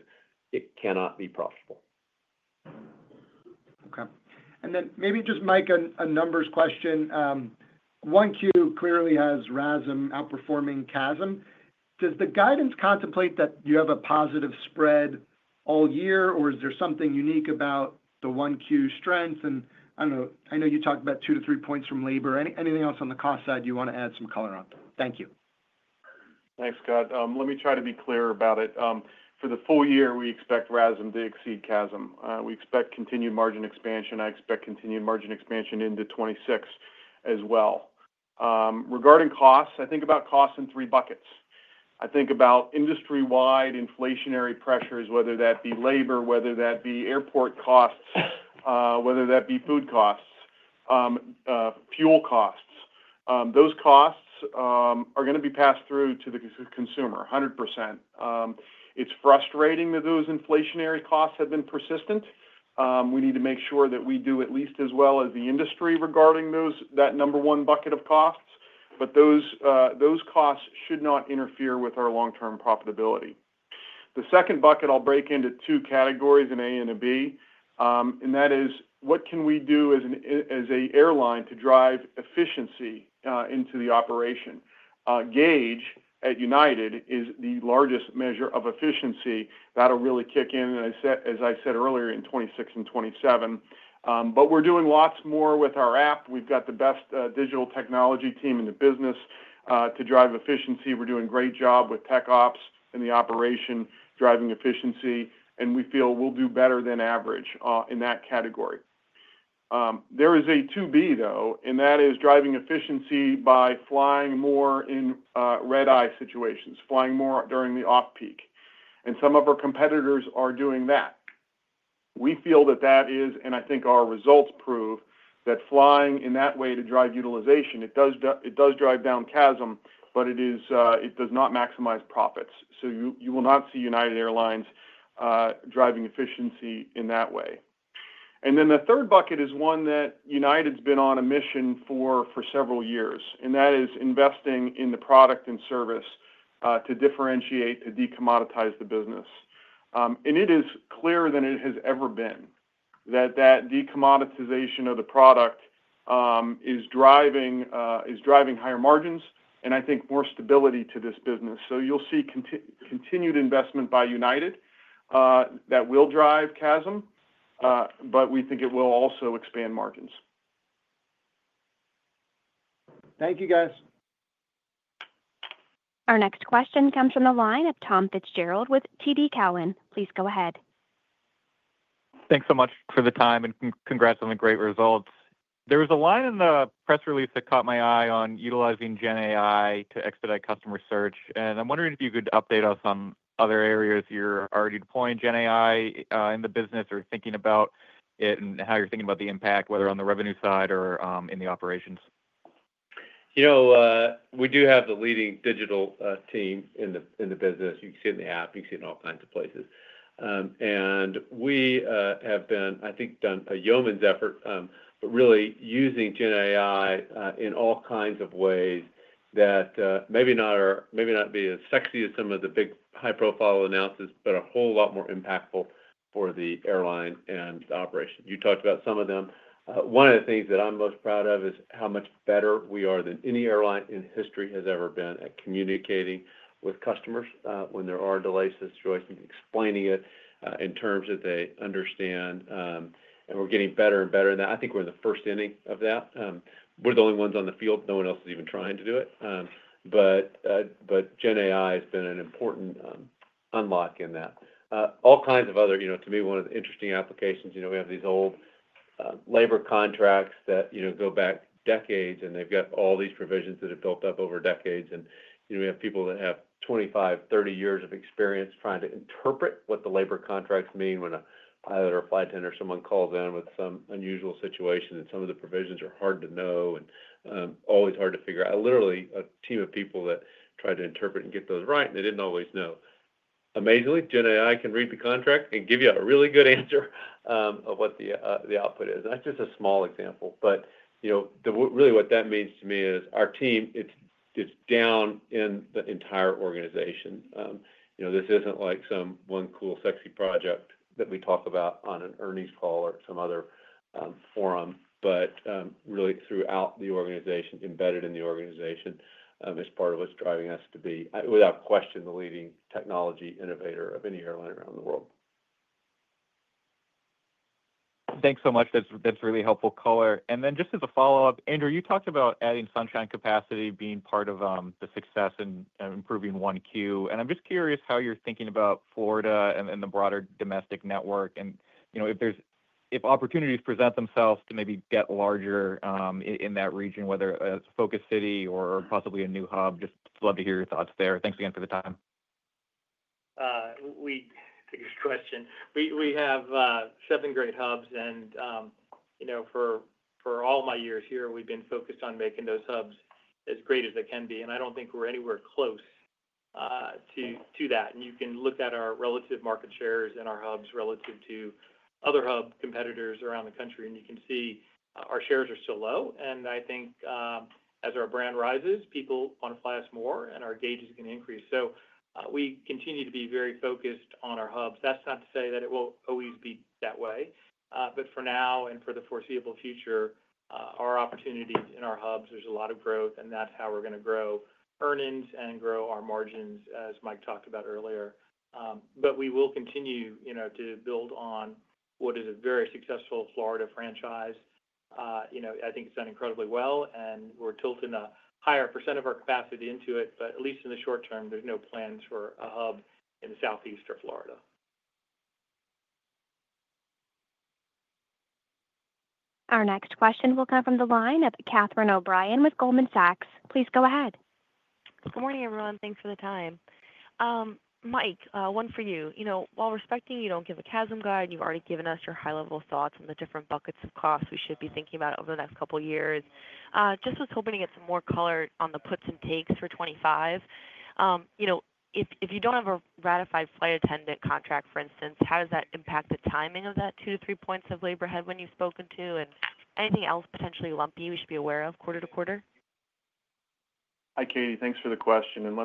it cannot be profitable. Okay. And then maybe just Mike, a numbers question. 1Q clearly has RASM outperforming CASM. Does the guidance contemplate that you have a positive spread all year, or is there something unique about the 1Q strength? And I don't know, I know you talked about two to three points from labor. Anything else on the cost side you want to add some color on? Thank you. Thanks, Scott. Let me try to be clear about it. For the full year, we expect RASM to exceed CASM. We expect continued margin expansion. I expect continued margin expansion into 2026 as well. Regarding costs, I think about costs in three buckets. I think about industry-wide inflationary pressures, whether that be labor, whether that be airport costs, whether that be food costs, fuel costs. Those costs are going to be passed through to the consumer 100%. It's frustrating that those inflationary costs have been persistent. We need to make sure that we do at least as well as the industry regarding that number one bucket of costs. But those costs should not interfere with our long-term profitability. The second bucket, I'll break into two categories in A and B, and that is what can we do as an airline to drive efficiency into the operation. Gauge at United is the largest measure of efficiency. That'll really kick in, as I said earlier, in 2026 and 2027, but we're doing lots more with our app. We've got the best digital technology team in the business to drive efficiency. We're doing a great job with TechOps and the operation driving efficiency, and we feel we'll do better than average in that category. There is a 2B, though, and that is driving efficiency by flying more in red-eye situations, flying more during the off-peak, and some of our competitors are doing that. We feel that that is, and I think our results prove that flying in that way to drive utilization, it does drive down CASM, but it does not maximize profits, so you will not see United Airlines driving efficiency in that way. The third bucket is one that United's been on a mission for several years. That is investing in the product and service to differentiate, to decommoditize the business. It is clearer than it has ever been that that decommoditization of the product is driving higher margins and I think more stability to this business. You'll see continued investment by United that will drive CASM, but we think it will also expand margins. Thank you, guys. Our next question comes from the line of Tom Fitzgerald with TD Cowen. Please go ahead. Thanks so much for the time and congrats on the great results. There was a line in the press release that caught my eye on utilizing GenAI to expedite customer search, and I'm wondering if you could update us on other areas you're already deploying GenAI in the business or thinking about it and how you're thinking about the impact, whether on the revenue side or in the operations. You know, we do have the leading digital team in the business. You can see it in the app. You can see it in all kinds of places. And we have been, I think, done a yeoman's effort, but really using GenAI in all kinds of ways that maybe not be as sexy as some of the big high-profile announcements, but a whole lot more impactful for the airline and the operation. You talked about some of them. One of the things that I'm most proud of is how much better we are than any airline in history has ever been at communicating with customers when there are delays and situations, explaining it in terms that they understand. And we're getting better and better in that. I think we're in the first inning of that. We're the only ones on the field. No one else is even trying to do it, but GenAI has been an important unlock in that. All kinds of other, you know, to me, one of the interesting applications, you know, we have these old labor contracts that, you know, go back decades, and they've got all these provisions that have built up over decades, and you know, we have people that have 25, 30 years of experience trying to interpret what the labor contracts mean when a pilot or a flight attendant or someone calls in with some unusual situation, and some of the provisions are hard to know and always hard to figure out. Literally, a team of people that tried to interpret and get those right, and they didn't always know. Amazingly, GenAI can read the contract and give you a really good answer of what the output is, and that's just a small example. But, you know, really what that means to me is our team. It's throughout the entire organization. You know, this isn't like some one cool, sexy project that we talk about on an earnings call or some other forum, but really throughout the organization, embedded in the organization is part of what's driving us to be, without question, the leading technology innovator of any airline around the world. Thanks so much. That's really helpful color. And then just as a follow-up, Andrew, you talked about adding sunshine capacity being part of the success in improving 1Q. And I'm just curious how you're thinking about Florida and the broader domestic network. And, you know, if opportunities present themselves to maybe get larger in that region, whether it's a focus city or possibly a new hub, just love to hear your thoughts there. Thanks again for the time. Well, thank you for the question. We have seven great hubs. And, you know, for all my years here, we've been focused on making those hubs as great as they can be. And I don't think we're anywhere close to that. And you can look at our relative market shares and our hubs relative to other hub competitors around the country, and you can see our shares are still low. And I think as our brand rises, people want to fly us more, and our gauge is going to increase. So, we continue to be very focused on our hubs. That's not to say that it will always be that way. But for now and for the foreseeable future, our opportunities in our hubs, there's a lot of growth, and that's how we're going to grow earnings and grow our margins, as Mike talked about earlier. But we will continue, you know, to build on what is a very successful Florida franchise. You know, I think it's done incredibly well, and we're tilting a higher percent of our capacity into it. But at least in the short term, there's no plans for a hub in the southeast of Florida. Our next question will come from the line of Catie O'Brien with Goldman Sachs. Please go ahead. Good morning, everyone. Thanks for the time. Mike, one for you. You know, while respecting you don't give a CASM guide, you've already given us your high-level thoughts on the different buckets of costs we should be thinking about over the next couple of years. Just was hoping to get some more color on the puts and takes for 2025. You know, if you don't have a ratified flight attendant contract, for instance, how does that impact the timing of that 2-3 points of labor headwind you've spoken to? And anything else potentially lumpy we should be aware of quarter to quarter? Hi, Katie. Thanks for the question. And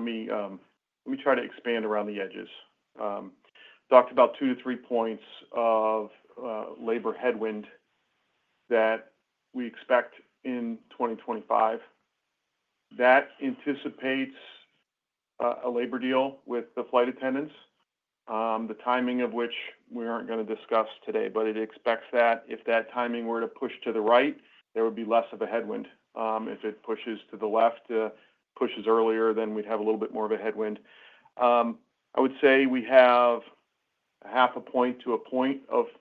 let me try to expand around the edges. Talked about two to three points of labor headwind that we expect in 2025. That anticipates a labor deal with the flight attendants, the timing of which we aren't going to discuss today. But it expects that if that timing were to push to the right, there would be less of a headwind. If it pushes to the left, pushes earlier, then we'd have a little bit more of a headwind. I would say we have a half a point to a point of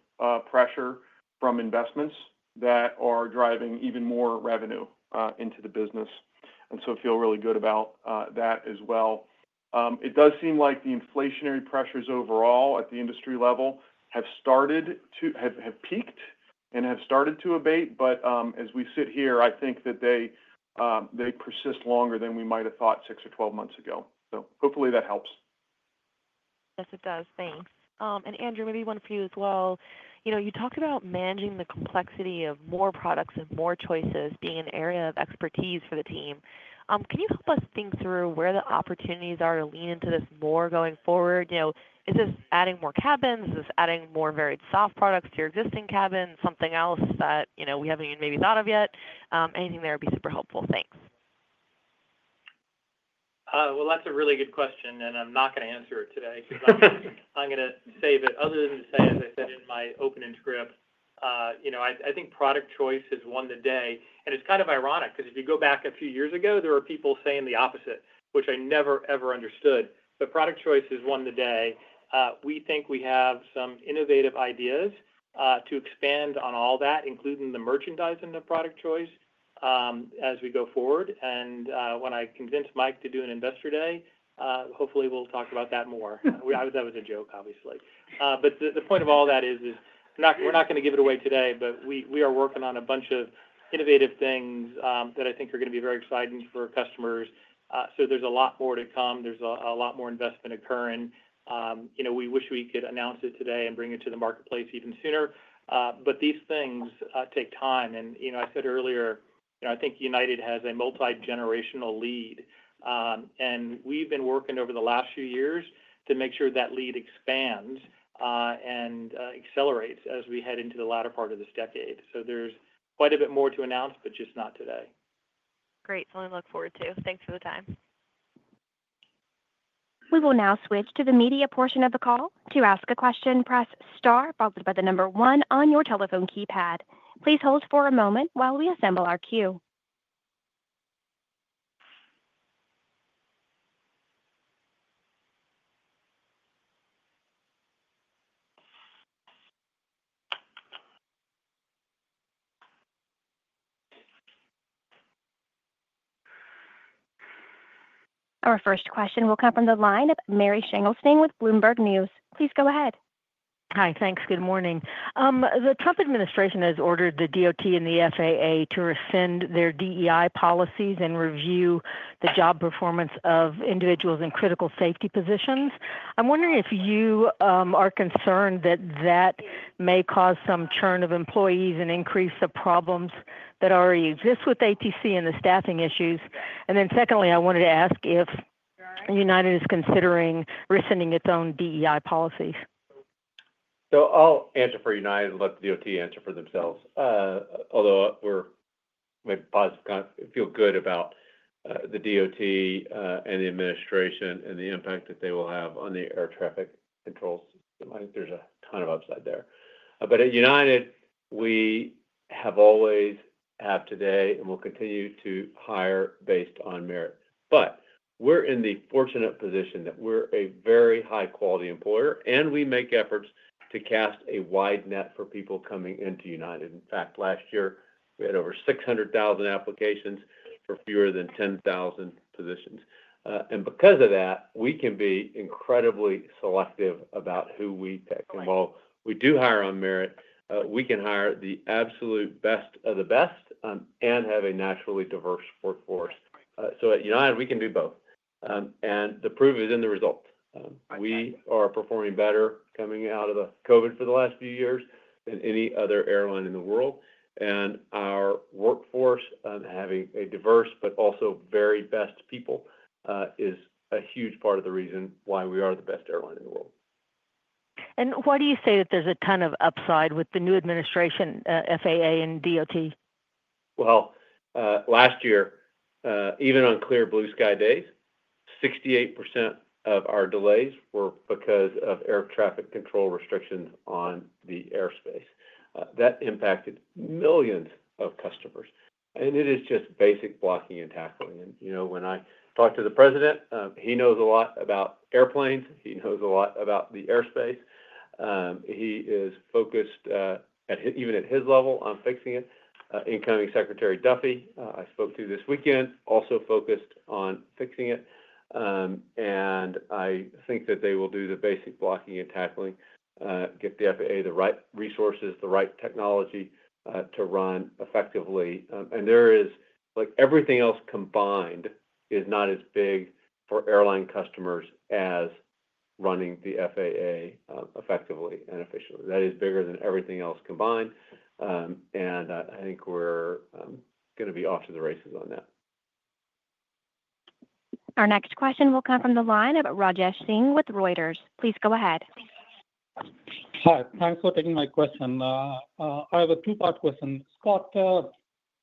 pressure from investments that are driving even more revenue into the business. And so, feel really good about that as well. It does seem like the inflationary pressures overall at the industry level have started to have peaked and have started to abate. But as we sit here, I think that they persist longer than we might have thought six or 12 months ago. So, hopefully, that helps. Yes, it does. Thanks. And Andrew, maybe one for you as well. You know, you talked about managing the complexity of more products and more choices being an area of expertise for the team. Can you help us think through where the opportunities are to lean into this more going forward? You know, is this adding more cabins? Is this adding more varied soft products to your existing cabin? Something else that, you know, we haven't even maybe thought of yet? Anything there would be super helpful. Thanks. That's a really good question. I'm not going to answer it today because I'm going to save it. Other than to say, as I said in my opening script, you know, I think product choice has won the day. It's kind of ironic because if you go back a few years ago, there were people saying the opposite, which I never, ever understood. Product choice has won the day. We think we have some innovative ideas to expand on all that, including the merchandising of product choice as we go forward. When I convince Mike to do an investor day, hopefully, we'll talk about that more. That was a joke, obviously. But the point of all that is, we're not going to give it away today, but we are working on a bunch of innovative things that I think are going to be very exciting for customers. So, there's a lot more to come. There's a lot more investment occurring. You know, we wish we could announce it today and bring it to the marketplace even sooner. But these things take time. And, you know, I said earlier, you know, I think United has a multi-generational lead. And we've been working over the last few years to make sure that lead expands and accelerates as we head into the latter part of this decade. So, there's quite a bit more to announce, but just not today. Great. Something to look forward to. Thanks for the time. We will now switch to the media portion of the call. To ask a question, press star followed by the number one on your telephone keypad. Please hold for a moment while we assemble our queue. Our first question will come from the line of Mary Schlangenstein with Bloomberg News. Please go ahead. Hi, thanks. Good morning. The Trump administration has ordered the DOT and the FAA to rescind their DEI policies and review the job performance of individuals in critical safety positions. I'm wondering if you are concerned that that may cause some churn of employees and increase the problems that already exist with ATC and the staffing issues? And then secondly, I wanted to ask if United is considering rescinding its own DEI policies? So, I'll answer for United and let the DOT answer for themselves. Although we're maybe positive, feel good about the DOT and the administration and the impact that they will have on the air traffic control system. I think there's a ton of upside there. But at United, we have always had today and will continue to hire based on merit. But we're in the fortunate position that we're a very high-quality employer, and we make efforts to cast a wide net for people coming into United. In fact, last year, we had over 600,000 applications for fewer than 10,000 positions. And because of that, we can be incredibly selective about who we pick. And while we do hire on merit, we can hire the absolute best of the best and have a naturally diverse workforce. So, at United, we can do both. And the proof is in the results. We are performing better coming out of COVID for the last few years than any other airline in the world. And our workforce and having a diverse but also very best people is a huge part of the reason why we are the best airline in the world. Why do you say that there's a ton of upside with the new administration, FAA and DOT? Last year, even on clear blue sky days, 68% of our delays were because of air traffic control restrictions on the airspace. That impacted millions of customers. It is just basic blocking and tackling. You know, when I talk to the President, he knows a lot about airplanes. He knows a lot about the airspace. He is focused even at his level on fixing it. Incoming Secretary Duffy, I spoke to this weekend, also focused on fixing it. I think that they will do the basic blocking and tackling, get the FAA the right resources, the right technology to run effectively. There is, like everything else combined, is not as big for airline customers as running the FAA effectively and efficiently. That is bigger than everything else combined. I think we're going to be off to the races on that. Our next question will come from the line of Rajesh Singh with Reuters. Please go ahead. Hi. Thanks for taking my question. I have a two-part question. Scott,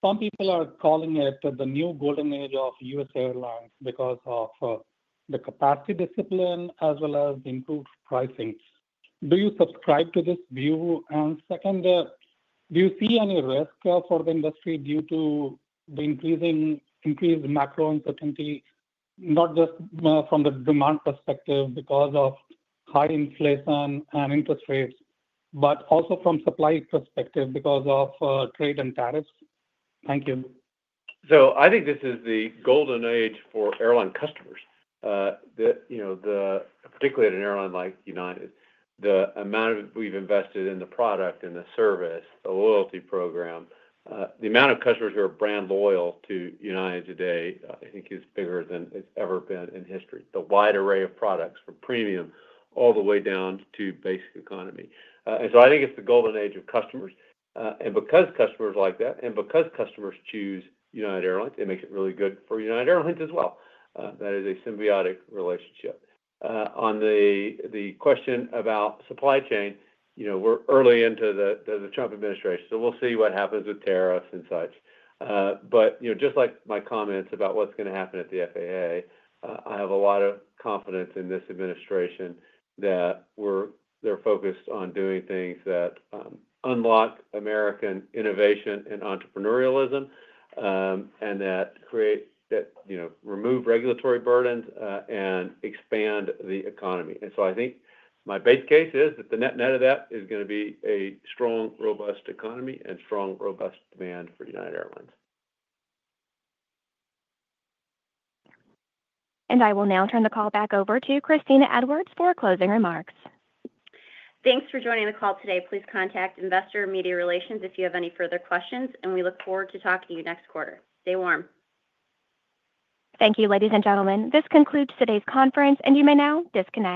some people are calling it the new golden age of U.S. airlines because of the capacity discipline as well as the improved pricing. Do you subscribe to this view? And second, do you see any risk for the industry due to the increasing macro uncertainty, not just from the demand perspective because of high inflation and interest rates, but also from supply perspective because of trade and tariffs? Thank you. So, I think this is the golden age for airline customers. You know, particularly at an airline like United, the amount we've invested in the product, in the service, the loyalty program, the amount of customers who are brand loyal to United today, I think, is bigger than it's ever been in history. The wide array of products from premium all the way down to Basic Economy. And so, I think it's the golden age of customers. And because customers like that and because customers choose United Airlines, it makes it really good for United Airlines as well. That is a symbiotic relationship. On the question about supply chain, you know, we're early into the Trump administration. So, we'll see what happens with tariffs and such. But, you know, just like my comments about what's going to happen at the FAA, I have a lot of confidence in this administration that they're focused on doing things that unlock American innovation and entrepreneurialism and that create, you know, remove regulatory burdens and expand the economy. And so, I think my base case is that the net-net of that is going to be a strong, robust economy and strong, robust demand for United Airlines. I will now turn the call back over to Kristina Edwards for closing remarks. Thanks for joining the call today. Please contact Investor Media Relations if you have any further questions. We look forward to talking to you next quarter. Stay warm. Thank you, ladies and gentlemen. This concludes today's conference, and you may now disconnect.